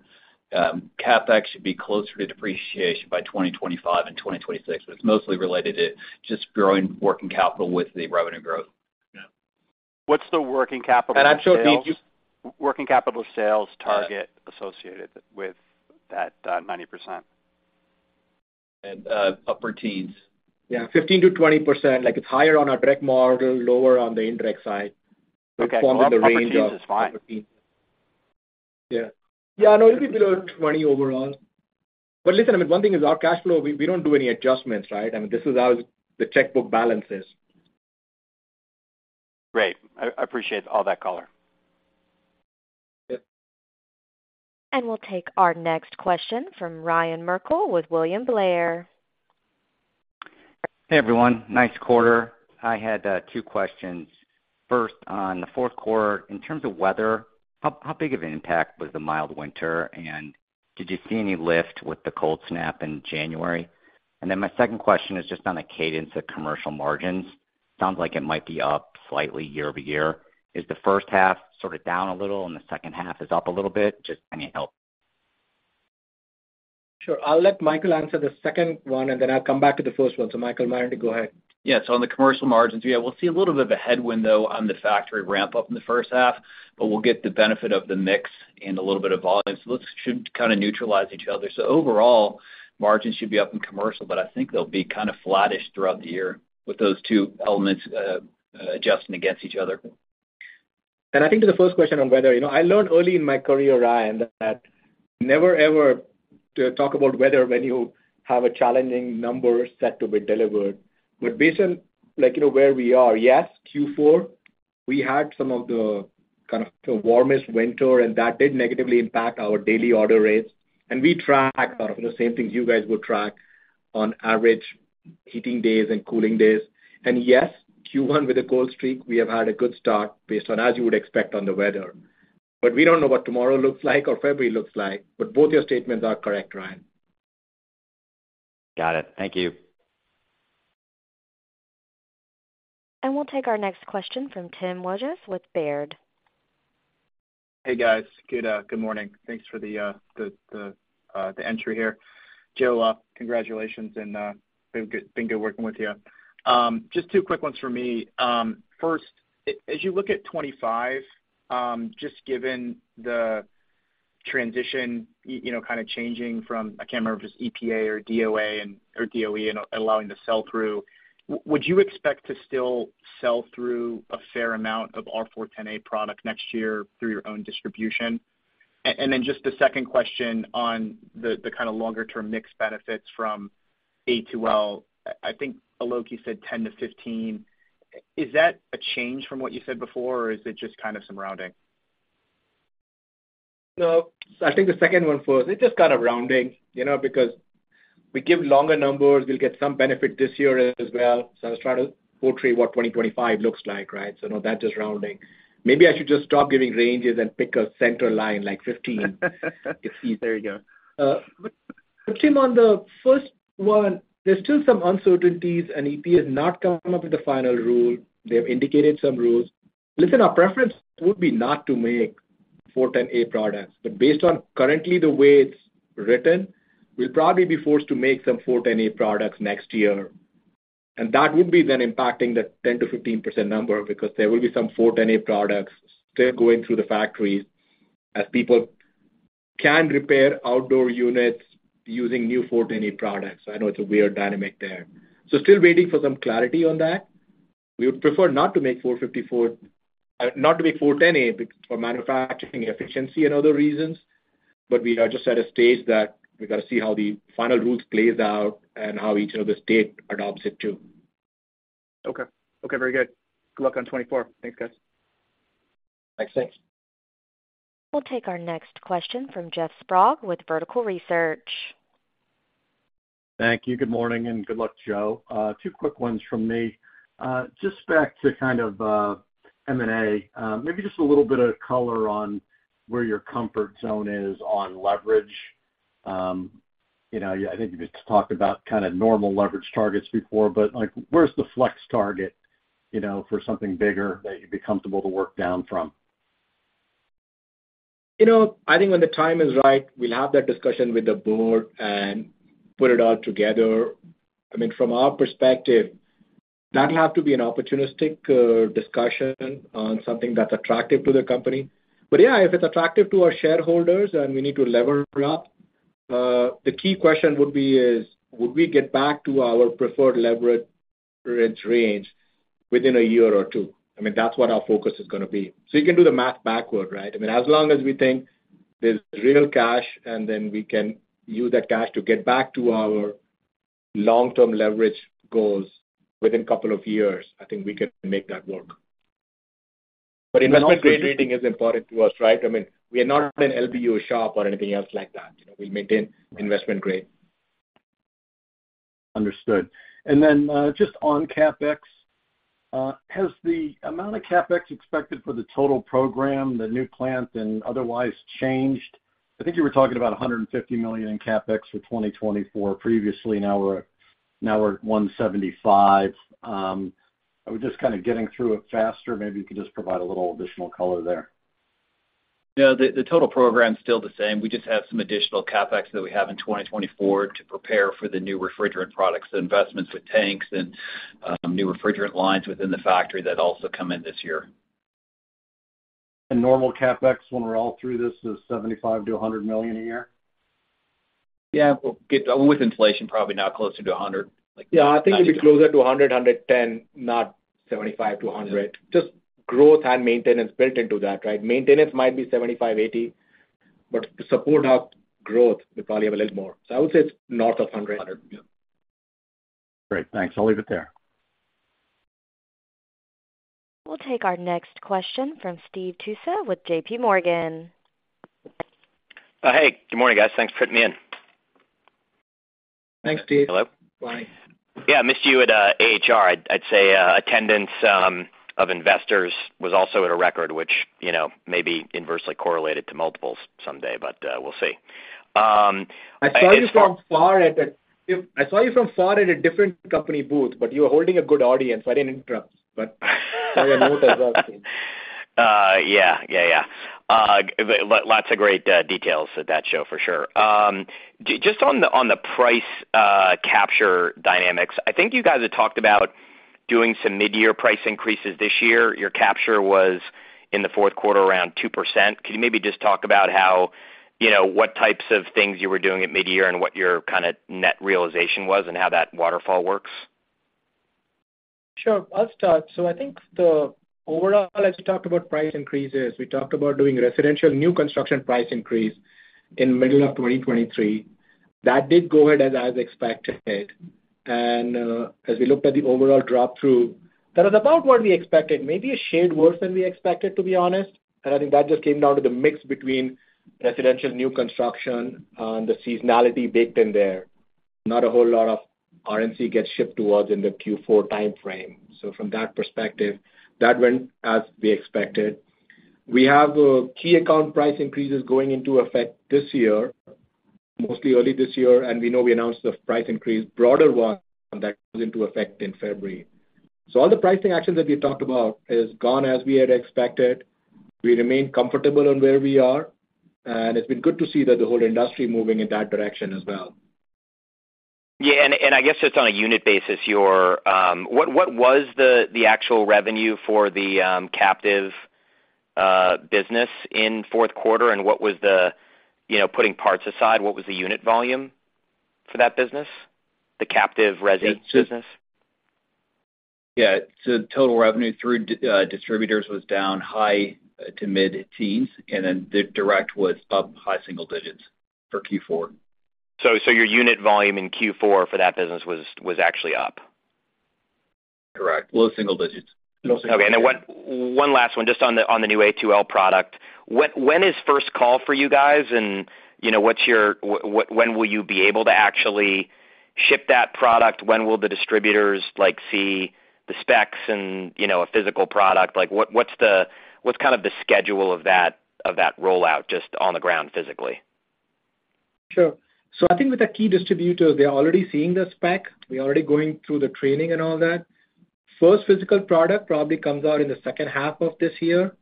CapEx should be closer to depreciation by 2025 and 2026, but it's mostly related to just growing working capital with the revenue growth. Yeah. What's the working capital sales- I'm sure if you- Working capital sales target associated with that, 90%? upper teens. Yeah, 15%-20%. Like, it's higher on our direct model, lower on the indirect side, but falls in the range of- Upper teens is fine. Upper teens. Yeah. Yeah, I know it'll be below 20 overall. But listen, I mean, one thing is our cash flow, we don't do any adjustments, right? I mean, this is how the checkbook balance is. Great. I appreciate all that color. Yep. We'll take our next question from Ryan Merkel with William Blair. Hey, everyone. Nice quarter. I had two questions. First, on the fourth quarter, in terms of weather, how big of an impact was the mild winter, and did you see any lift with the cold snap in January? And then my second question is just on the cadence of commercial margins. Sounds like it might be up slightly year-over-year. Is the first half sort of down a little, and the second half is up a little bit? Just any help. Sure. I'll let Michael answer the second one, and then I'll come back to the first one. So Michael, why don't you go ahead? Yeah. So on the commercial margins, yeah, we'll see a little bit of a headwind, though, on the factory ramp-up in the first half, but we'll get the benefit of the mix and a little bit of volume. So those should kind of neutralize each other. So overall, margins should be up in commercial, but I think they'll be kind of flattish throughout the year with those two elements adjusting against each other. And I think to the first question on weather, you know, I learned early in my career, Ryan, that never, ever to talk about weather when you have a challenging number set to be delivered. But based on like, you know, where we are, yes, Q4, we had some of the kind of the warmest winter, and that did negatively impact our daily order rates. And we track the same things you guys would track on average heating days and cooling days. And yes, Q1, with a cold streak, we have had a good start based on as you would expect on the weather. But we don't know what tomorrow looks like or February looks like, but both your statements are correct, Ryan. Got it. Thank you. We'll take our next question from Tim Wojs with Baird. Hey, guys. Good morning. Thanks for the entry here. Joe, congratulations, and been good working with you. Just two quick ones for me. First, as you look at 25, just given the transition, you know, kind of changing from, I can't remember if it's EPA or DOA and - or DOE and allowing the sell-through, would you expect to still sell through a fair amount of R-410A product next year through your own distribution? And then just the second question on the kind of longer term mix benefits from A2L, I think Alok said 10-15. Is that a change from what you said before, or is it just kind of some rounding? So I think the second one first, it's just kind of rounding, you know, because we give longer numbers, we'll get some benefit this year as well. So I was trying to portray what 2025 looks like, right? So no, that's just rounding. Maybe I should just stop giving ranges and pick a center line like 15. There you go. But, Tim, on the first one, there's still some uncertainties, and EPA has not come up with the final rule. They have indicated some rules. Listen, our preference would be not to make 410A products, but based on currently the way it's written, we'll probably be forced to make some 410A products next year, and that would be then impacting the 10%-15% number, because there will be some 410A products still going through the factories as people can repair outdoor units using new 410A products. I know it's a weird dynamic there. So still waiting for some clarity on that. We would prefer not to make 410A for manufacturing efficiency and other reasons, but we are just at a stage that we've got to see how the final rules plays out and how each of the state adopts it, too. Okay. Okay, very good. Good luck on 2024. Thanks, guys. Thanks. Thanks. We'll take our next question from Jeff Sprague with Vertical Research.... Thank you. Good morning, and good luck, Joe. Two quick ones from me. Just back to kind of M&A, maybe just a little bit of color on where your comfort zone is on leverage. You know, I think you just talked about kind of normal leverage targets before, but, like, where's the flex target, you know, for something bigger that you'd be comfortable to work down from? You know, I think when the time is right, we'll have that discussion with the board and put it all together. I mean, from our perspective, that'll have to be an opportunistic discussion on something that's attractive to the company. But yeah, if it's attractive to our shareholders and we need to lever up, the key question would be is, would we get back to our preferred leverage range within a year or two? I mean, that's what our focus is gonna be. So you can do the math backward, right? I mean, as long as we think there's real cash, and then we can use that cash to get back to our long-term leverage goals within a couple of years, I think we can make that work. But investment grade rating is important to us, right? I mean, we are not an LBU shop or anything else like that. You know, we maintain investment grade. Understood. And then, just on CapEx, has the amount of CapEx expected for the total program, the new plant and otherwise changed? I think you were talking about $150 million in CapEx for 2024. Previously, now we're, now we're at $175 million. Are we just kind of getting through it faster? Maybe you could just provide a little additional color there. Yeah, the total program is still the same. We just have some additional CapEx that we have in 2024 to prepare for the new refrigerant products, the investments with tanks and new refrigerant lines within the factory that also come in this year. Normal CapEx, when we're all through this, is $75 million-$100 million a year? Yeah, we'll get with inflation, probably now closer to 100, like- Yeah, I think it'll be closer to 100, 110, not 75-100. Just growth and maintenance built into that, right? Maintenance might be 75, 80, but to support our growth, we probably have a little more. So I would say it's north of 100. Hundred, yeah. Great, thanks. I'll leave it there. We'll take our next question from Steve Tusa with JPMorgan. Hey, good morning, guys. Thanks for fitting me in. Thanks, Steve. Hello. Hi. Yeah, I missed you at AHRI. I'd say attendance of investors was also at a record, which, you know, may be inversely correlated to multiples someday, but we'll see. I- I saw you from far at a different company booth, but you were holding a good audience. I didn't interrupt, but I had a note as well. Yeah. But lots of great details at that show, for sure. Just on the price capture dynamics, I think you guys had talked about doing some mid-year price increases this year. Your capture was in the fourth quarter around 2%. Could you maybe just talk about how, you know, what types of things you were doing at mid-year and what your kind of net realization was and how that waterfall works? Sure. I'll start. So I think the overall, as we talked about price increases, we talked about doing residential new construction price increase in middle of 2023. That did go ahead as, as expected. And, as we looked at the overall drop-through, that was about what we expected, maybe a shade worse than we expected, to be honest. And I think that just came down to the mix between residential new construction and the seasonality baked in there. Not a whole lot of R&C gets shipped to us in the Q4 timeframe. So from that perspective, that went as we expected. We have, key account price increases going into effect this year, mostly early this year, and we know we announced the price increase, broader one, that goes into effect in February. So all the pricing actions that we talked about has gone as we had expected. We remain comfortable on where we are, and it's been good to see that the whole industry moving in that direction as well. Yeah, and I guess just on a unit basis, your... What was the actual revenue for the captive business in fourth quarter, and what was the—you know, putting parts aside, what was the unit volume for that business, the captive resi business? Yeah, so total revenue through distributors was down high to mid-teens, and then the direct was up high single digits for Q4. So, your unit volume in Q4 for that business was actually up? Correct. Low single digits. Low single. Okay, and then one last one just on the new A2L product. When is first call for you guys, and, you know, what's your—when will you be able to actually ship that product? When will the distributors, like, see the specs and, you know, a physical product? Like, what's kind of the schedule of that rollout, just on the ground physically? Sure. So I think with the key distributors, they are already seeing the spec. We're already going through the training and all that. First physical product probably comes out in the second half of this year,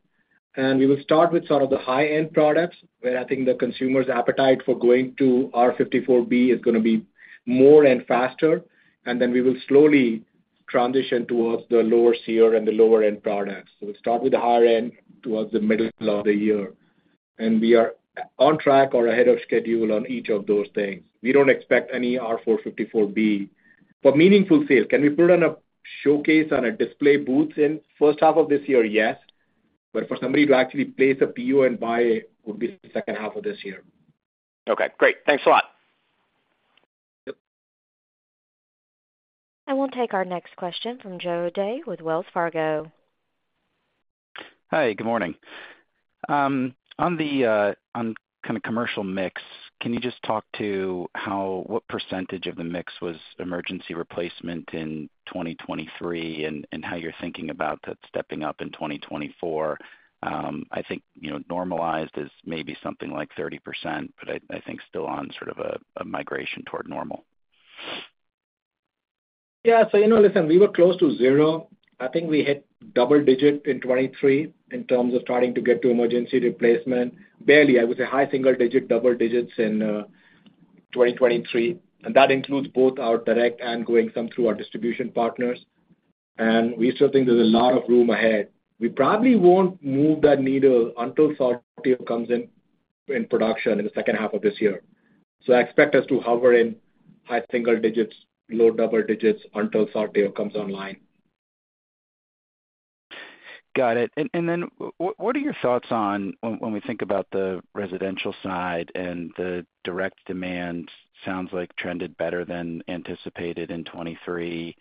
and we will start with sort of the high-end products, where I think the consumer's appetite for going to R-454B is gonna be more and faster, and then we will slowly transition towards the lower SEER and the lower-end products. So we'll start with the higher end, towards the middle of the year. And we are on track or ahead of schedule on each of those things. We don't expect any R-454B. For meaningful sales, can we put on a showcase on a display booth in first half of this year? Yes. But for somebody to actually place a PO and buy it, would be the second half of this year. Okay, great. Thanks a lot. Yep. We'll take our next question from Joe O'Dea with Wells Fargo.... Hi, good morning. On kind of commercial mix, can you just talk to how—what percentage of the mix was emergency replacement in 2023, and how you're thinking about that stepping up in 2024? I think, you know, normalized is maybe something like 30%, but I think still on sort of a migration toward normal. Yeah. So you know, listen, we were close to zero. I think we hit double digit in 2023 in terms of starting to get to emergency replacement. Barely, I would say high single digit, double digits in 2023, and that includes both our direct and going some through our distribution partners. And we still think there's a lot of room ahead. We probably won't move that needle until Saltillo comes in production in the second half of this year. So I expect us to hover in high single digits, low double digits, until Saltillo comes online. Got it. And then what are your thoughts on when we think about the residential side and the direct demand? Sounds like trended better than anticipated in 2023,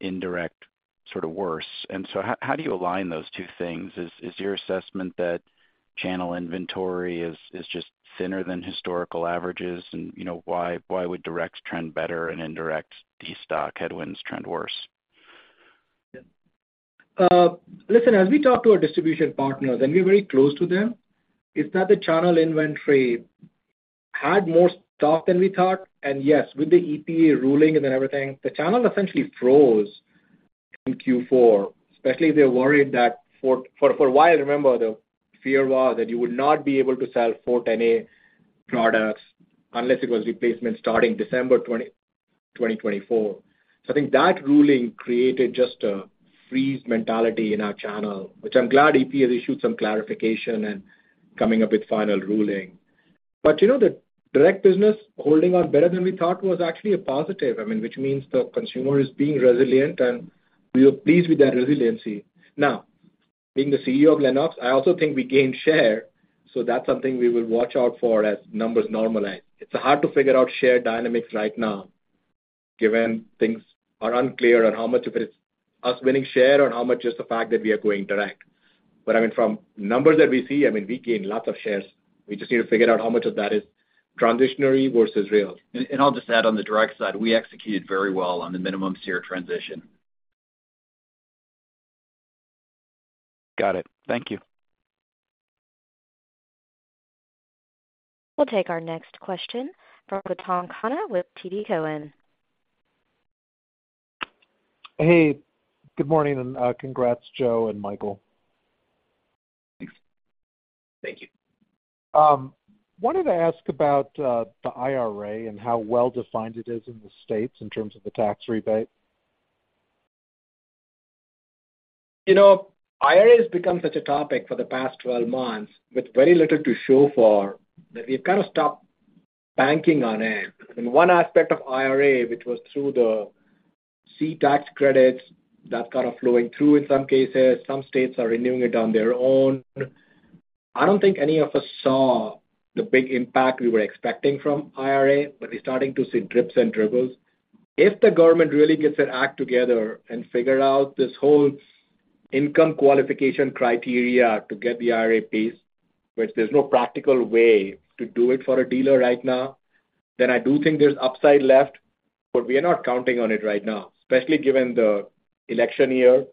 indirect sort of worse. And so how do you align those two things? Is your assessment that channel inventory is just thinner than historical averages? And you know, why would direct trend better and indirect destock headwinds trend worse? Listen, as we talk to our distribution partners, and we're very close to them, it's that the channel inventory had more stock than we thought. And yes, with the EPA ruling and then everything, the channel essentially froze in Q4. Especially they're worried that for a while, remember, the fear was that you would not be able to sell R-410A products unless it was replacement starting December 20, 2024. So I think that ruling created just a freeze mentality in our channel, which I'm glad EPA has issued some clarification and coming up with final ruling. But, you know, the direct business holding on better than we thought was actually a positive. I mean, which means the consumer is being resilient, and we are pleased with that resiliency. Now, being the CEO of Lennox, I also think we gained share, so that's something we will watch out for as numbers normalize. It's hard to figure out share dynamics right now, given things are unclear on how much of it is us winning share or how much is the fact that we are going direct. But I mean, from numbers that we see, I mean, we gain lots of shares. We just need to figure out how much of that is transitory versus real. I'll just add, on the direct side, we executed very well on the minimum SEER transition. Got it. Thank you. We'll take our next question from Gautam Khanna with TD Cowen. Hey, good morning, and, congrats, Joe and Michael. Thanks. Thank you. Wanted to ask about the IRA and how well defined it is in the states in terms of the tax rebate. You know, IRA has become such a topic for the past 12 months with very little to show for, that we've kind of stopped banking on it. I mean, one aspect of IRA, which was through the [C] tax credits, that's kind of flowing through in some cases, some states are renewing it on their own. I don't think any of us saw the big impact we were expecting from IRA, but we're starting to see drips and dribbles. If the government really gets their act together and figure out this whole income qualification criteria to get the IRA piece, which there's no practical way to do it for a dealer right now, then I do think there's upside left, but we are not counting on it right now. Especially given the election year,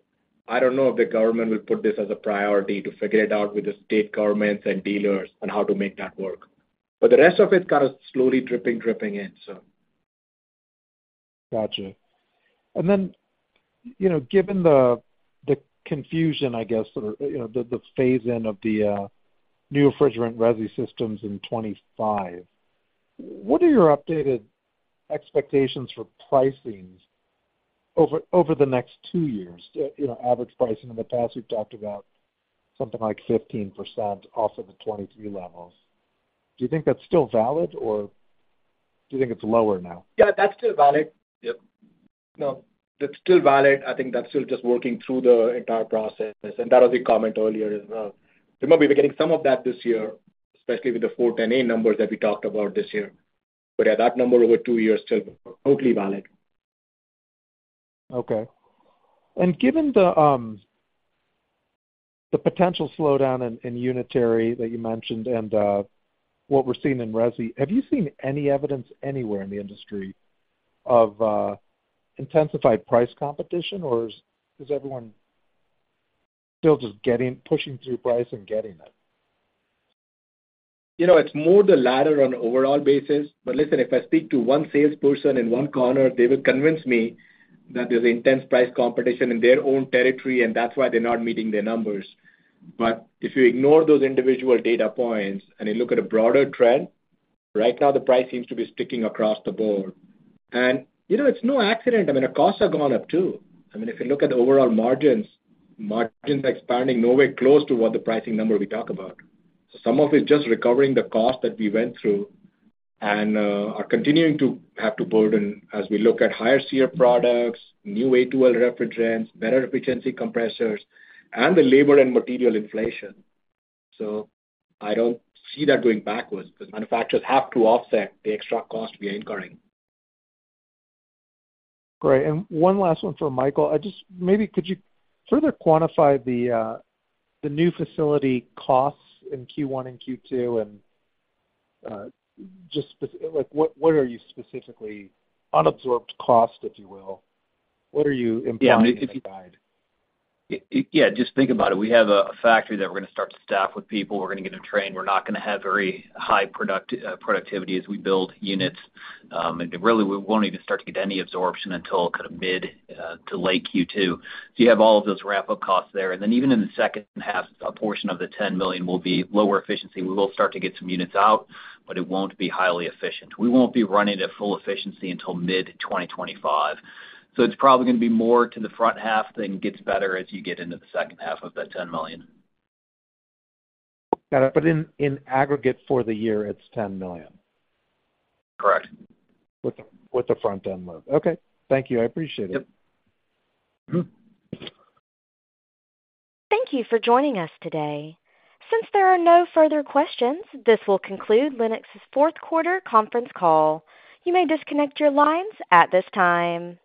I don't know if the government will put this as a priority to figure it out with the state governments and dealers on how to make that work. But the rest of it's kind of slowly dripping, dripping in, so. Gotcha. And then, you know, given the, the confusion, I guess, or, you know, the, the phase-in of the new refrigerant resi systems in 2025, what are your updated expectations for pricings over, over the next two years? You know, average pricing. In the past, we've talked about something like 15% off of the 2023 levels. Do you think that's still valid, or do you think it's lower now? Yeah, that's still valid. Yep. No, that's still valid. I think that's still just working through the entire process, and that was the comment earlier as well. Remember, we're getting some of that this year, especially with the R-410A numbers that we talked about this year. But yeah, that number over 2 years is still totally valid. Okay. And given the potential slowdown in unitary that you mentioned and what we're seeing in resi, have you seen any evidence anywhere in the industry of intensified price competition, or is everyone still just pushing through price and getting it? You know, it's more the latter on an overall basis. But listen, if I speak to one salesperson in one corner, they will convince me that there's intense price competition in their own territory, and that's why they're not meeting their numbers. But if you ignore those individual data points and you look at a broader trend, right now, the price seems to be sticking across the board. And, you know, it's no accident. I mean, the costs have gone up, too. I mean, if you look at overall margins, margins expanding nowhere close to what the pricing number we talk about. So some of it is just recovering the cost that we went through and are continuing to have to burden as we look at higher SEER products, new A2L refrigerants, better efficiency compressors, and the labor and material inflation. I don't see that going backwards, because manufacturers have to offset the extra cost we are incurring. Great. And one last one for Michael. I just maybe could you further quantify the, the new facility costs in Q1 and Q2, and just spec- like, what, what are you specifically... unabsorbed cost, if you will, what are you implying in the guide? Yeah, just think about it. We have a factory that we're gonna start to staff with people. We're gonna get them trained. We're not gonna have very high productivity as we build units. And really, we won't even start to get any absorption until kind of mid to late Q2. So you have all of those wrap-up costs there, and then even in the second half, a portion of the $10 million will be lower efficiency. We will start to get some units out, but it won't be highly efficient. We won't be running at full efficiency until mid-2025. So it's probably gonna be more to the front half, then gets better as you get into the second half of that $10 million. Got it. But in aggregate, for the year, it's $10 million? Correct. With the front-end load. Okay, thank you. I appreciate it. Yep. Thank you for joining us today. Since there are no further questions, this will conclude Lennox's fourth quarter conference call. You may disconnect your lines at this time.